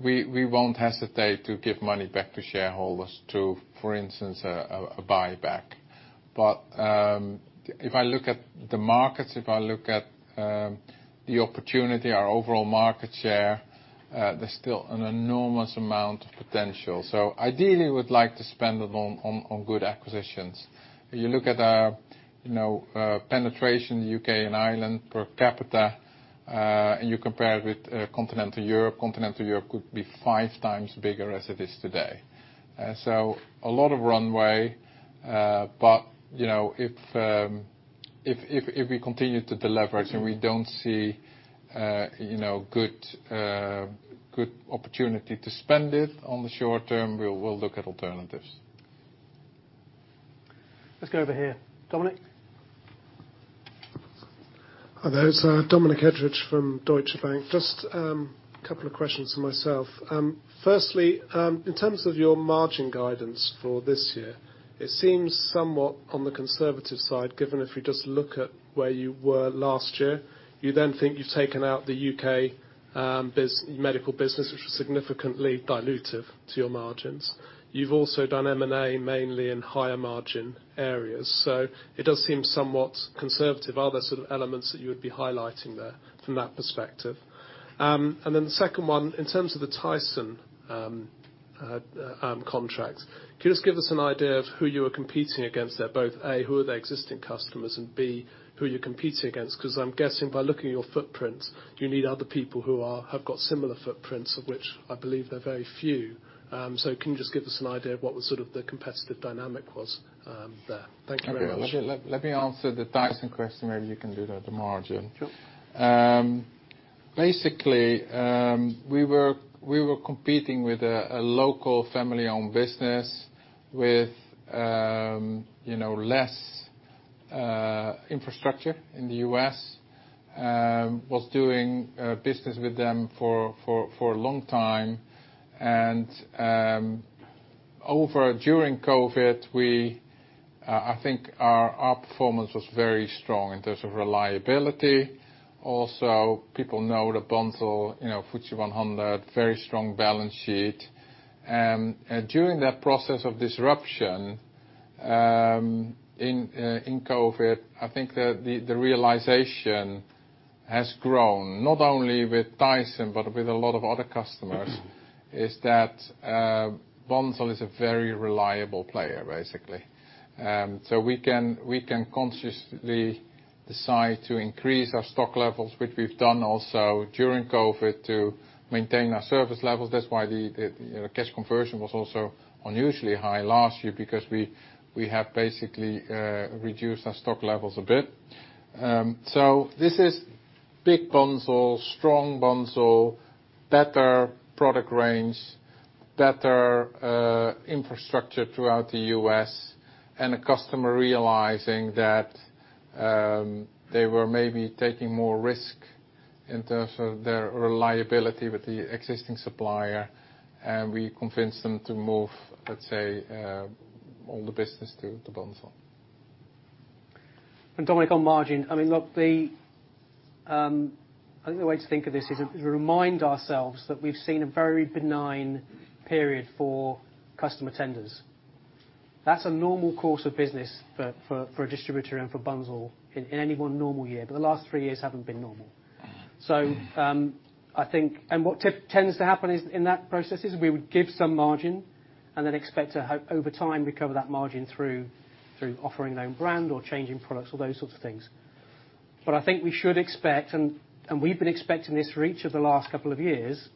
we won't hesitate to give money back to shareholders to, for instance, a buyback. If I look at the markets, if I look at the opportunity, our overall market share. There's still an enormous amount of potential. Ideally, we'd like to spend it on good acquisitions. If you look at our penetration in the UK and Ireland per capita, and you compare it with Continental Europe, Continental Europe could be 5x bigger as it is today. A lot of runway. If we continue to deleverage and we don't see good opportunity to spend it on the short term, we'll look at alternatives. Let's go over here. Dominic? Hi there, it's Dominic Edridge from Deutsche Bank. Just a couple of questions from myself. In terms of your margin guidance for this year, it seems somewhat on the conservative side, given if you just look at where you were last year, you then think you've taken out the U.K. medical business, which was significantly dilutive to your margins. You've also done M&A mainly in higher margin areas, it does seem somewhat conservative. Are there sort of elements that you would be highlighting there from that perspective? The second one, in terms of the Tyson contract, can you just give us an idea of who you are competing against there, both A, who are their existing customers and B, who are you competing against? 'Cause I'm guessing by looking at your footprints, you need other people who have got similar footprints, of which I believe they're very few. Can you just give us an idea of what was sort of the competitive dynamic was there? Thank you very much. Okay. Let me answer the Tyson question, maybe you can do the margin. Sure. Basically, we were competing with a local family-owned business with, you know, less infrastructure in the U.S. was doing business with them for a long time. Over during COVID, I think our performance was very strong in terms of reliability. Also, people know that Bunzl, you know, Fortune 100, very strong balance sheet. During that process of disruption, in COVID, I think the realization has grown, not only with Tyson, but with a lot of other customers, is that Bunzl is a very reliable player, basically. We can consciously decide to increase our stock levels, which we've done also during COVID to maintain our service levels. That's why the, you know, cash conversion was also unusually high last year because we have basically reduced our stock levels a bit. This is big Bunzl, strong Bunzl, better product range, better infrastructure throughout the U.S.. A customer realizing that they were maybe taking more risk in terms of their reliability with the existing supplier. We convinced them to move, let's say, all the business to Bunzl. Dominic, on margin, I mean, look, the, I think the way to think of this is to remind ourselves that we've seen a very benign period for customer tenders. That's a normal course of business for a distributor and for Bunzl in any one normal year. The last three years haven't been normal, I think what tends to happen is, in that process, is we would give some margin and then expect to over time, recover that margin through offering own brand or changing products or those sorts of things. I think we should expect, and we've been expecting this for each of the last couple of years,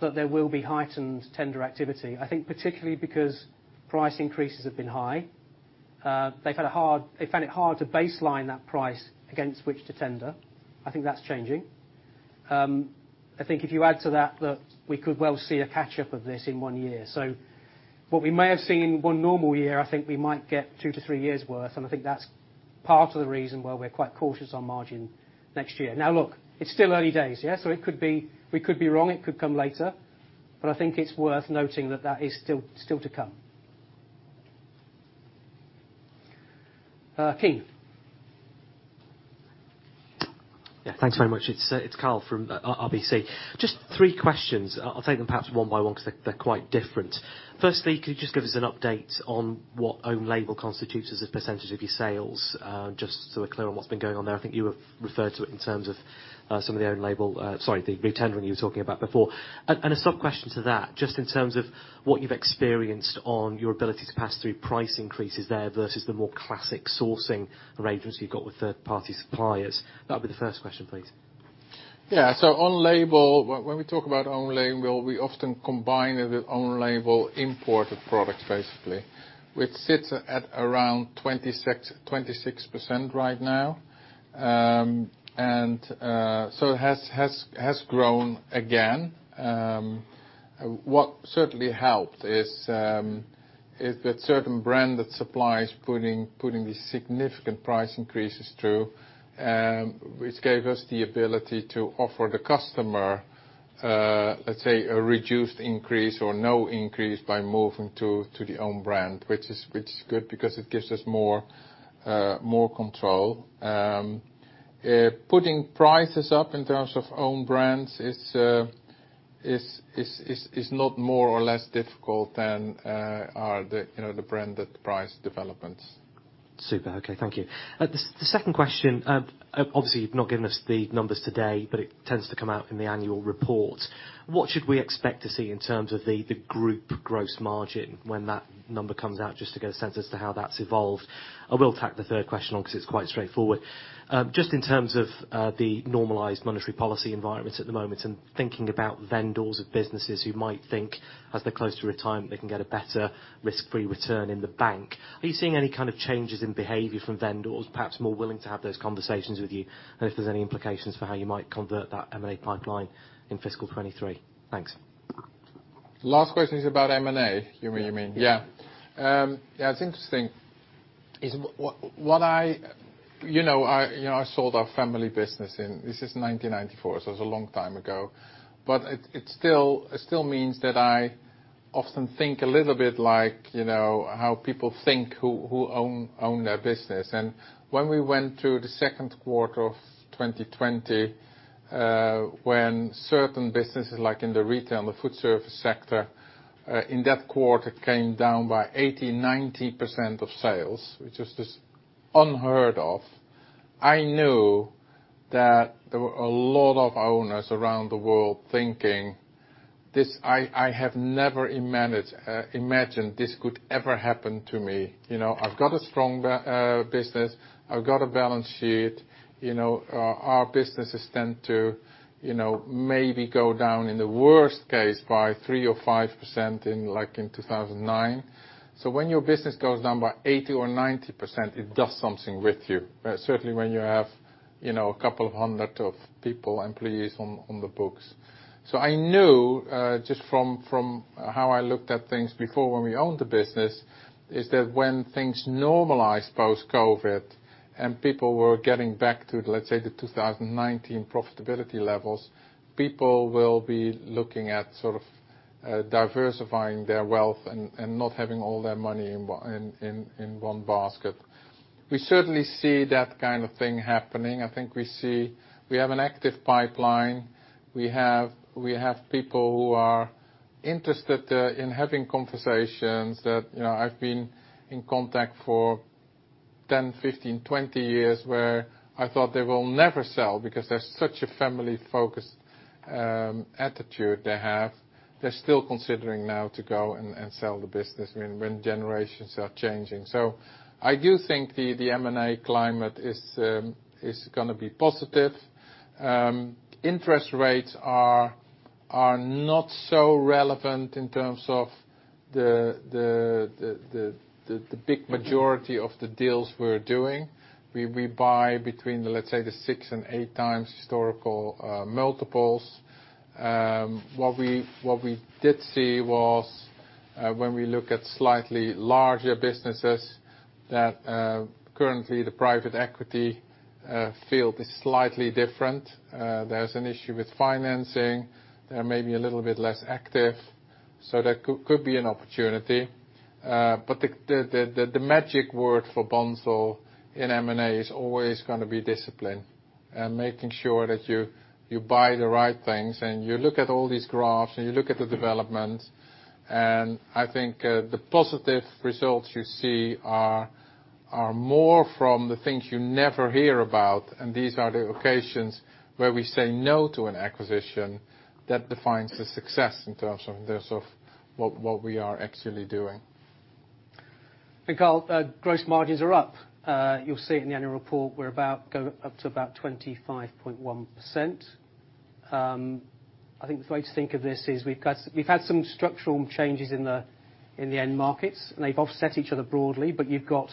that there will be heightened tender activity. I think particularly because price increases have been high, they found it hard to baseline that price against which to tender. I think that's changing, I think if you add to that, look, we could well see a catch-up of this in one year. What we may have seen in one normal year, I think we might get two to three years' worth, and I think that's part of the reason why we're quite cautious on margin next year. look, it's still early days, yeah? it could be wrong, it could come later. I think it's worth noting that that is still to come. Keane? Thanks very much. It's Kyle from RBC. Just three questions. I'll take them perhaps one by one 'cause they're quite different. Firstly, could you just give us an update on what own label constitutes as a % of your sales? Just so we're clear on what's been going on there. I think you have referred to it in terms of some of the own label, sorry, the re-tendering you were talking about before. A sub question to that, just in terms of what you've experienced on your ability to pass through price increases there versus the more classic sourcing arrangements you've got with third-party suppliers. That'll be the first question, please. Yeah. When we talk about own label, we often combine it with own label imported products, basically, which sits at around 26% right now. It has grown again. What certainly helped is that certain brand that supplies putting these significant price increases through, which gave us the ability to offer the customer, let's say, a reduced increase or no increase by moving to the own brand, which is good because it gives us more control. Putting prices up in terms of own brands is not more or less difficult than are the, you know, the branded price developments. Super. Okay, thank you. The second question, obviously you've not given us the numbers today, but it tends to come out in the annual report. What should we expect to see in terms of the group gross margin when that number comes out, just to get a sense as to how that's evolved? I will tack the third question on 'cause it's quite straightforward. Just in terms of the normalized monetary policy environment at the moment, and thinking about vendors of businesses who might think as they're close to retirement, they can get a better risk-free return in the bank. Are you seeing any kind of changes in behavior from vendors, perhaps more willing to have those conversations with you? If there's any implications for how you might convert that M&A pipeline in fiscal 2023. Thanks. Last question is about M&A, you mean? Yeah. Yeah, it's interesting. It's what I... You know, I, you know, I sold our family business in, this is 1994, so it's a long time ago. It still means that I often think a little bit like, you know, how people think who own their business. When we went through the second quarter of 2020, when certain businesses like in the retail and the food service sector, in that quarter came down by 80%, 90% of sales, which is just unheard of, I knew that there were a lot of owners around the world thinking this, I have never imagined this could ever happen to me. You know, I've got a strong business. I've got a balance sheet. You know, our businesses tend to, you know, maybe go down in the worst case by 3% or 5% in like in 2009. When your business goes down by 80% or 90%, it does something with you. Certainly when you have, you know, a couple of 100 people, employees on the books. I knew just from how I looked at things before when we owned the business, is that when things normalized post-COVID and people were getting back to, let's say, the 2019 profitability levels, people will be looking at sort of diversifying their wealth and not having all their money in one basket. We certainly see that kind of thing happening. I think we see, we have an active pipeline. We have people who are interested in having conversations that, you know, I've been in contact for 10, 15, 20 years, where I thought they will never sell because there's such a family-focused attitude they have. They're still considering now to go and sell the business when generations are changing. I do think the M&A climate is gonna be positive. Interest rates are not so relevant in terms of the big majority of the deals we're doing. We buy between the, let's say, the 6 and 8x historical multiples. What we did see was when we look at slightly larger businesses that currently the private equity field is slightly different. There's an issue with financing. They're maybe a little bit less active, so that could be an opportunity but the magic word for Bunzl in M&A is always gonna be discipline and making sure that you buy the right things, and you look at all these graphs, and you look at the development. I think the positive results you see are more from the things you never hear about, and these are the occasions where we say no to an acquisition that defines the success in terms of this, of what we are actually doing. Klye, gross margins are up. You'll see it in the annual report, we're about go up to about 25.1%. I think the way to think of this is we've had some structural changes in the, in the end markets, and they've offset each other broadly. You've got,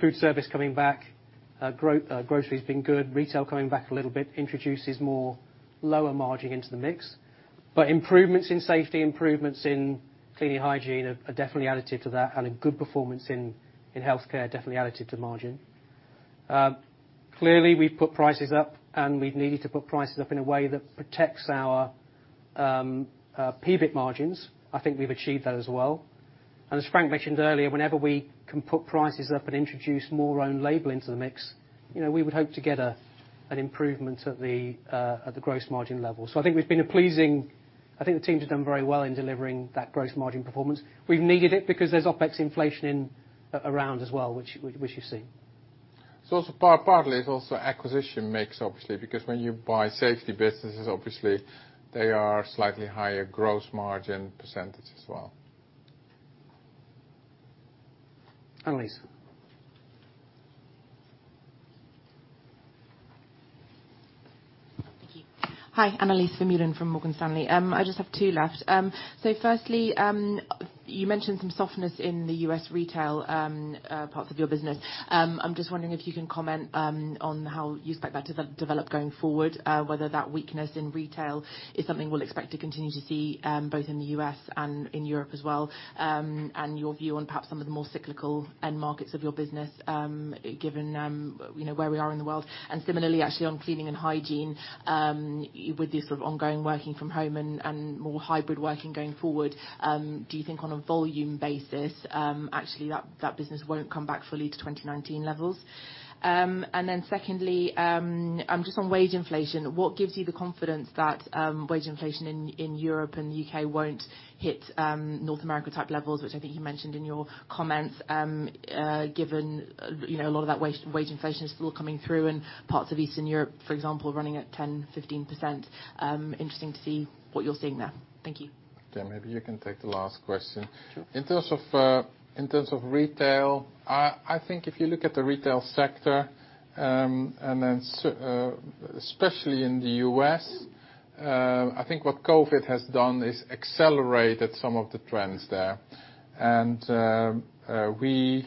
food service coming back, groceries being good, retail coming back a little bit, introduces more lower margin into the mix. Improvements in safety, improvements in cleaning hygiene are definitely additive to that, and a good performance in healthcare definitely additive to margin. Clearly we've put prices up, and we've needed to put prices up in a way that protects our PBIT margins. I think we've achieved that as well. As Frank mentioned earlier, whenever we can put prices up and introduce more own label into the mix, you know, we would hope to get an improvement at the gross margin level. I think the teams have done very well in delivering that gross margin performance. We've needed it because there's OpEx inflation around as well, which you've seen. It's also partly acquisition mix, obviously, because when you buy safety businesses, obviously they are slightly higher gross margin percent as well. Annelies? Thank you. Hi Annelies Vermeulen from Morgan Stanley. I just have two left. Firstly, you mentioned some softness in the U.S. retail parts of your business. I'm just wondering if you can comment on how you expect that to develop going forward, whether that weakness in retail is something we'll expect to continue to see both in the U.S. and in Europe as well, and your view on perhaps some of the more cyclical end markets of your business, given, you know, where we are in the world. Similarly, actually, on cleaning and hygiene, with your sort of ongoing working from home and more hybrid working going forward, do you think on a volume basis, actually that business won't come back fully to 2019 levels? Secondly, just on wage inflation, what gives you the confidence that wage inflation in Europe and the U.K. won't hit North America type levels, which I think you mentioned in your comments, given a lot of that wage inflation is still coming through in parts of Eastern Europe, for example, running at 10%, 15%? Interesting to see what you're seeing there. Thank you. Okay, maybe you can take the last question. Sure. In terms of, in terms of retail, I think if you look at the retail sector, especially in the U.S., I think what COVID has done is accelerated some of the trends there. We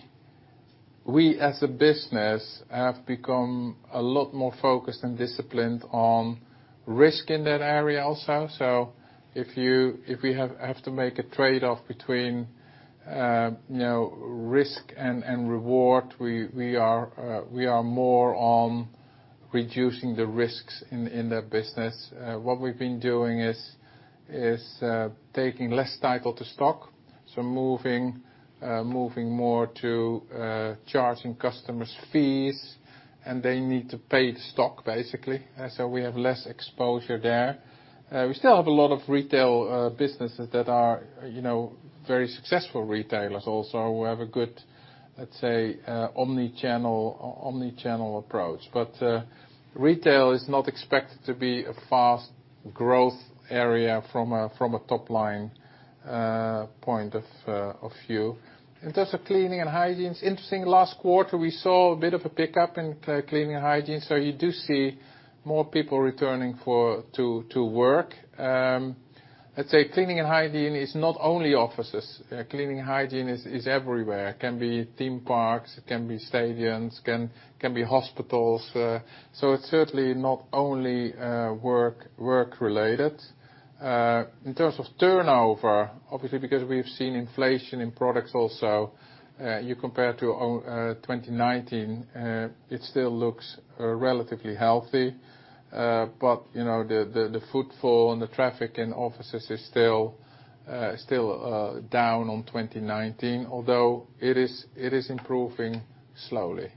as a business have become a lot more focused and disciplined on risk in that area also. If we have to make a trade-off between, you know, risk and reward, we are more on reducing the risks in the business. What we've been doing is taking less title to stock, so moving more to charging customers fees, they need to pay the stock basically. We have less exposure there. We still have a lot of retail businesses that are, you know, very successful retailers also, who have a good, let's say, omnichannel approach. Retail is not expected to be a fast growth area from a top-line point of view. In terms of cleaning and hygiene, it's interesting, last quarter we saw a bit of a pickup in cleaning and hygiene, so you do see more people returning to work. Let's say cleaning and hygiene is not only offices. Cleaning and hygiene is everywhere. It can be theme parks, it can be stadiums, can be hospitals. It's certainly not only work-related. In terms of turnover, obviously because we've seen inflation in products also, you compare to 2019, it still looks relatively healthy. You know, the footfall and the traffic in offices is still down on 2019, although it is improving slowly.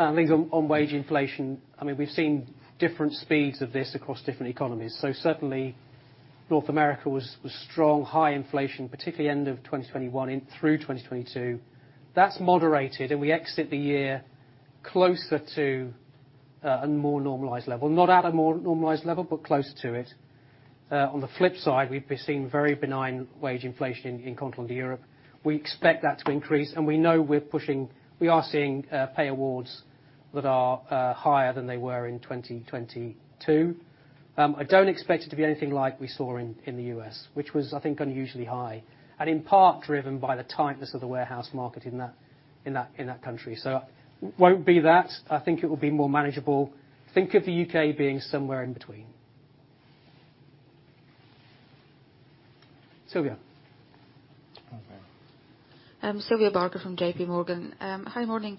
I think on wage inflation, I mean, we've seen different speeds of this across different economies. Certainly North America was strong, high inflation, particularly end of 2021 in through 2022 that's moderated, and we exit the year closer to a more normalized level. Not at a more normalized level, but closer to it. On the flip side, we've been seeing very benign wage inflation in continental Europe. We expect that to increase, and we know We are seeing pay awards that are higher than they were in 2022. I don't expect it to be anything like we saw in the U.S., which was, I think, unusually high, and in part driven by the tightness of the warehouse market in that country. Won't be that I think it will be more manageable. Think of the U.K. being somewhere in between. Sylvia? Okay. Sylvia Barker from JPMorgan. Hi, morning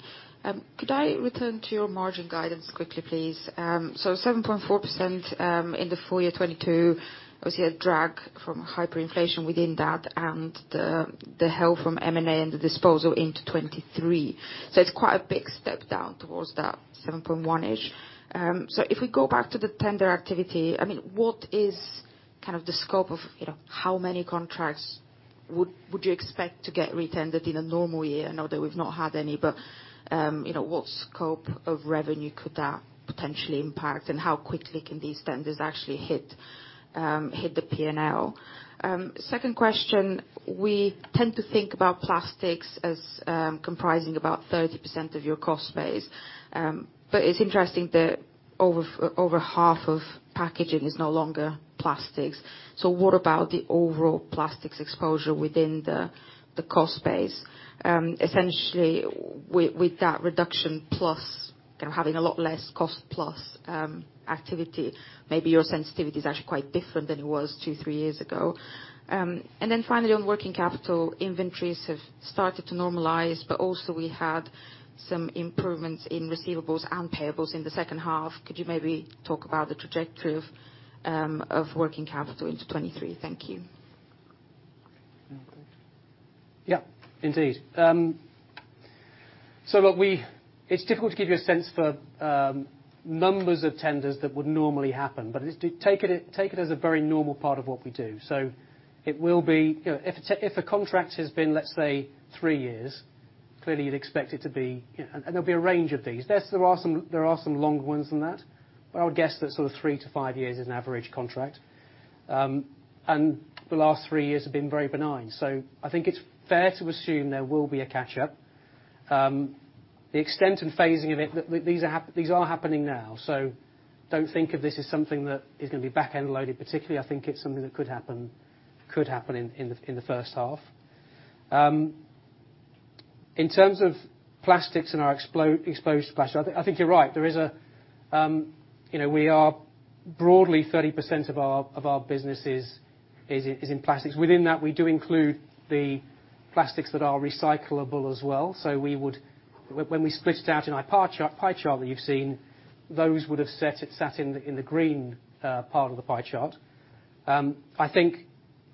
could I return to your margin guidance quickly, please? So 7.4%, in the full year 2022 was here drag from hyperinflation within that and the help from M&A and the disposal into 2023. It's quite a big step down towards that 7.1%-ish. If we go back to the tender activity, I mean, what is kind of the scope of, you know, how many contracts would you expect to get retendered in a normal year? I know that we've not had any, but, you know, what scope of revenue could that potentially impact, and how quickly can these tenders actually hit the P&L? Second question. We tend to think about plastics as comprising about 30% of your cost base. It's interesting that over half of packaging is no longer plastics. What about the overall plastics exposure within the cost base? Essentially with that reduction plus, you know, having a lot less cost-plus activity, maybe your sensitivity is actually quite different than it was two, three years ago. Finally, on working capital, inventories have started to normalize, but also we had some improvements in receivables and payables in the second half. Could you maybe talk about the trajectory of working capital into 2023? Thank you. Okay. Yeah, indeed. Look, it's difficult to give you a sense for numbers of tenders that would normally happen, but just do take it as a very normal part of what we do. It will be—you know, if a contract has been, let's say, three years, clearly you'd expect it to be, you know... There'll be a range of these. There are some longer ones than that, I would guess that sort of three to five years is an average contract. The last three years have been very benign. I think it's fair to assume there will be a catch up. The extent and phasing of it, these are happening now. Don't think of this as something that is gonna be back-end loaded. Particularly, I think it's something that could happen in the first half. In terms of plastics and our exposure to plastic, I think you're right. There is a you know, we are broadly 30% of our business is in plastics. Within that, we do include the plastics that are recyclable as well. We would when we split it out in our pie chart that you've seen, those would have sat in the green part of the pie chart. I think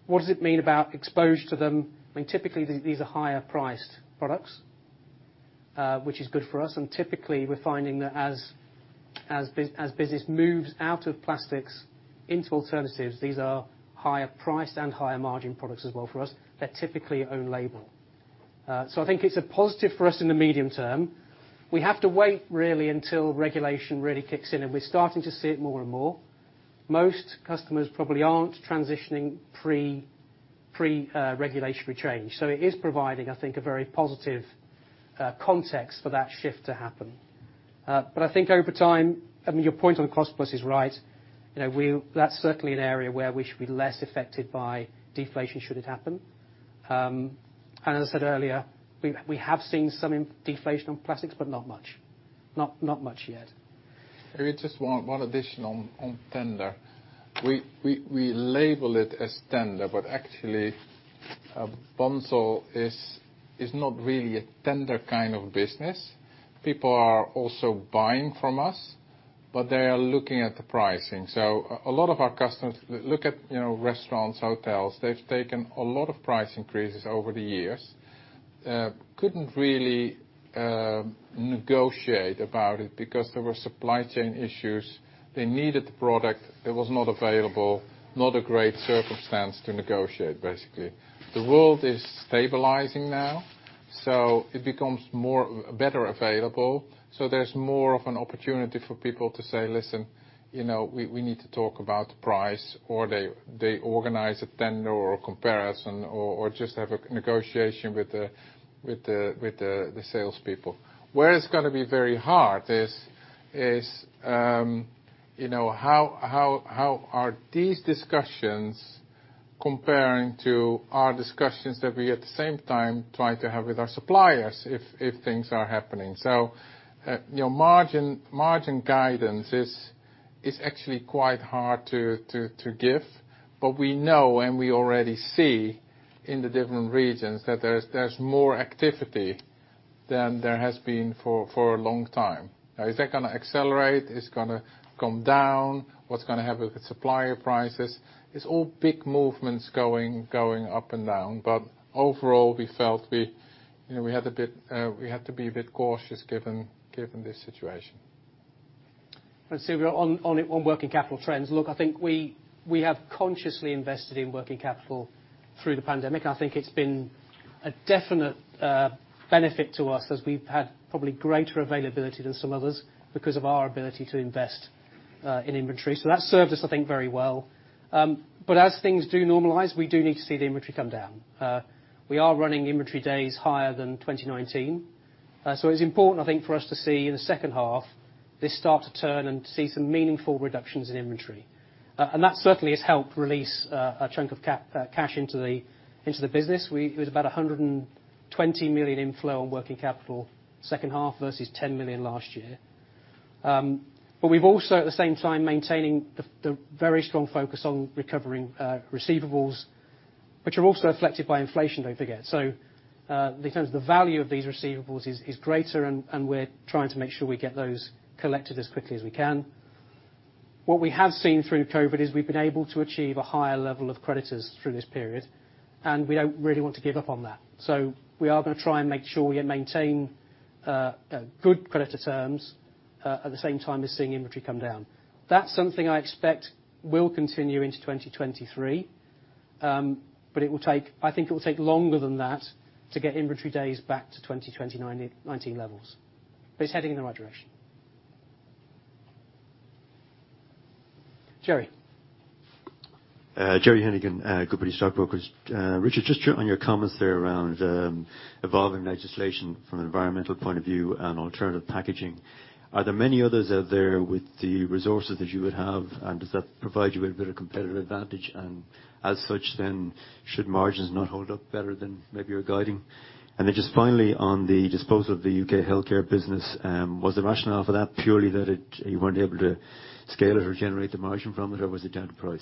what does it mean about exposure to them? I mean, typically, these are higher priced products, which is good for us. Typically, we're finding that as business moves out of plastics into alternatives, these are higher priced and higher margin products as well for us. They're typically own label. I think it's a positive for us in the medium term. We have to wait really until regulation really kicks in, and we're starting to see it more and more. Most customers probably aren't transitioning pre regulatory change. It is providing, I think, a very positive context for that shift to happen. I think over time, I mean, your point on cost plus is right. You know, that's certainly an area where we should be less affected by deflation, should it happen. As I said earlier, we have seen some in-deflation on plastics, but not much. Not much yet. Maybe just one addition on tender. We label it as tender, but actually, Bunzl is not really a tender kind of business. People are also buying from us, but they are looking at the pricing. A lot of our customers look at, you know, restaurants, hotels, they've taken a lot of price increases over the years. Couldn't really negotiate about it because there were supply chain issues. They needed the product, it was not available, not a great circumstance to negotiate, basically. The world is stabilizing now, so it becomes more better available. There's more of an opportunity for people to say, "Listen, you know, we need to talk about price," or they organize a tender or a comparison or just have a negotiation with the salespeople. Where it's gonna be very hard is, you know, how are these discussions comparing to our discussions that we at the same time try to have with our suppliers if things are happening. you know, margin guidance is actually quite hard to give. We know, and we already see in the different regions that there's more activity than there has been for a long time. Now, is that gonna accelerate? Is gonna come down? What's gonna happen with supplier prices? It's all big movements going up and down. Overall, we felt we, you know, we had a bit, we had to be a bit cautious given the situation. We're on working capital trends. Look, I think we have consciously invested in working capital through the pandemic. I think it's been a definite benefit to us as we've had probably greater availability than some others because of our ability to invest in inventory that served us, I think, very well. As things do normalize, we do need to see the inventory come down. We are running inventory days higher than 2019. It's important, I think, for us to see in the second half, this start to turn and see some meaningful reductions in inventory. That certainly has helped release a chunk of cash into the business. It was about a 120 million inflow on working capital second half versus 10 million last year. We've also at the same time, maintaining the very strong focus on recovering receivables, which are also affected by inflation, don't forget. The terms of the value of these receivables is greater and we're trying to make sure we get those collected as quickly as we can. What we have seen through COVID is we've been able to achieve a higher level of creditors through this period, and we don't really want to give up on that. We are gonna try and make sure we maintain good creditor terms at the same time as seeing inventory come down. That's something I expect will continue into 2023. I think it will take longer than that to get inventory days back to 2019 levels. It's heading in the right direction, Gerry. Gerry Heneghan, Goodbody Stockbrokers. Richard, just on your comments there around evolving legislation from an environmental point of view on alternative packaging, are there many others out there with the resources that you would have? Does that provide you with a bit of competitive advantage? As such, then, should margins not hold up better than maybe you're guiding? Then just finally, on the disposal of the U.K. healthcare business, was the rationale for that purely that you weren't able to scale it or generate the margin from it, or was it down to price?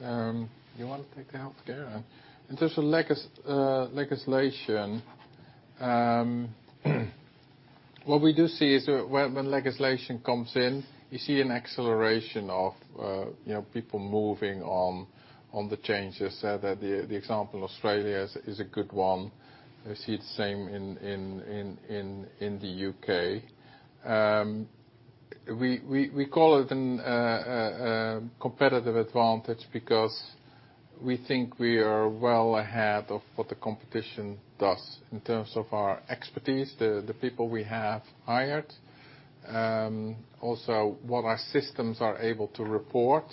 You wanna take the healthcare? In terms of legislation, what we do see is when legislation comes in, you see an acceleration of, you know, people moving on the changes. The example, Australia is a good one, we see the same in the U.K.. We call it a competitive advantage because we think we are well ahead of what the competition does in terms of our expertise, the people we have hired. Also what our systems are able to report,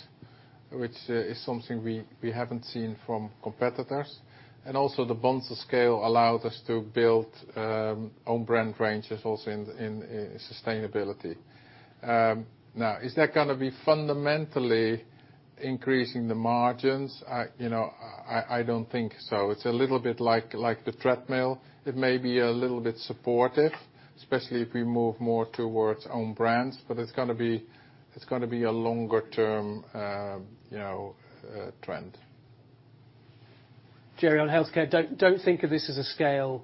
which is something we haven't seen from competitors. Also the Bunzl scale allows us to build own brand ranges also in sustainability. Now, is that gonna be fundamentally increasing the margins? You know, I don't think so. It's a little bit like the treadmill. It may be a little bit supportive, especially if we move more towards Own Brands, but it's gonna be a longer term, you know, trend. Gerry, on healthcare, don't think of this as a scale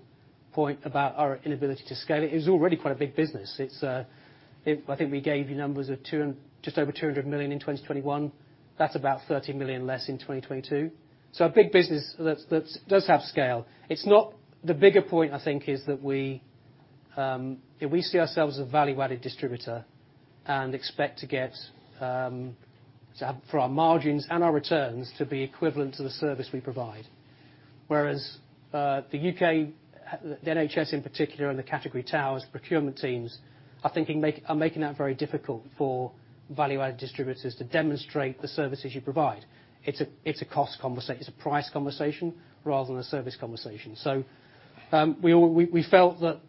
point about our inability to scale it. It was already quite a big business. It's I think we gave you numbers of 200 million in 2021. That's about 30 million less in 2022. A big business that's, does have scale. It's not... the bigger point I think is that we see ourselves as a value-added distributor and expect to get so for our margins and our returns to be equivalent to the service we provide. Whereas the U.K., the NHS in particular, and the category towers, procurement teams, are making that very difficult for value-added distributors to demonstrate the services you provide. It's a price conversation rather than a service conversation. We felt that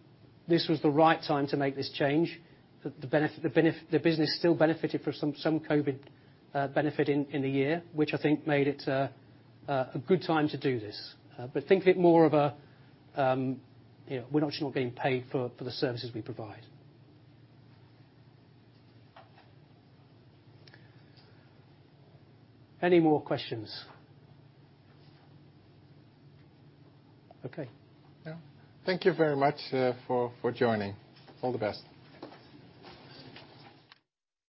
this was the right time to make this change. The benefit, the business still benefited from some COVID benefit in the year, which I think made it a good time to do this. Think of it more of a, you know, we're not sure we're getting paid for the services we provide. Any more questions? Okay. Yeah. Thank you very much for joining. All the best.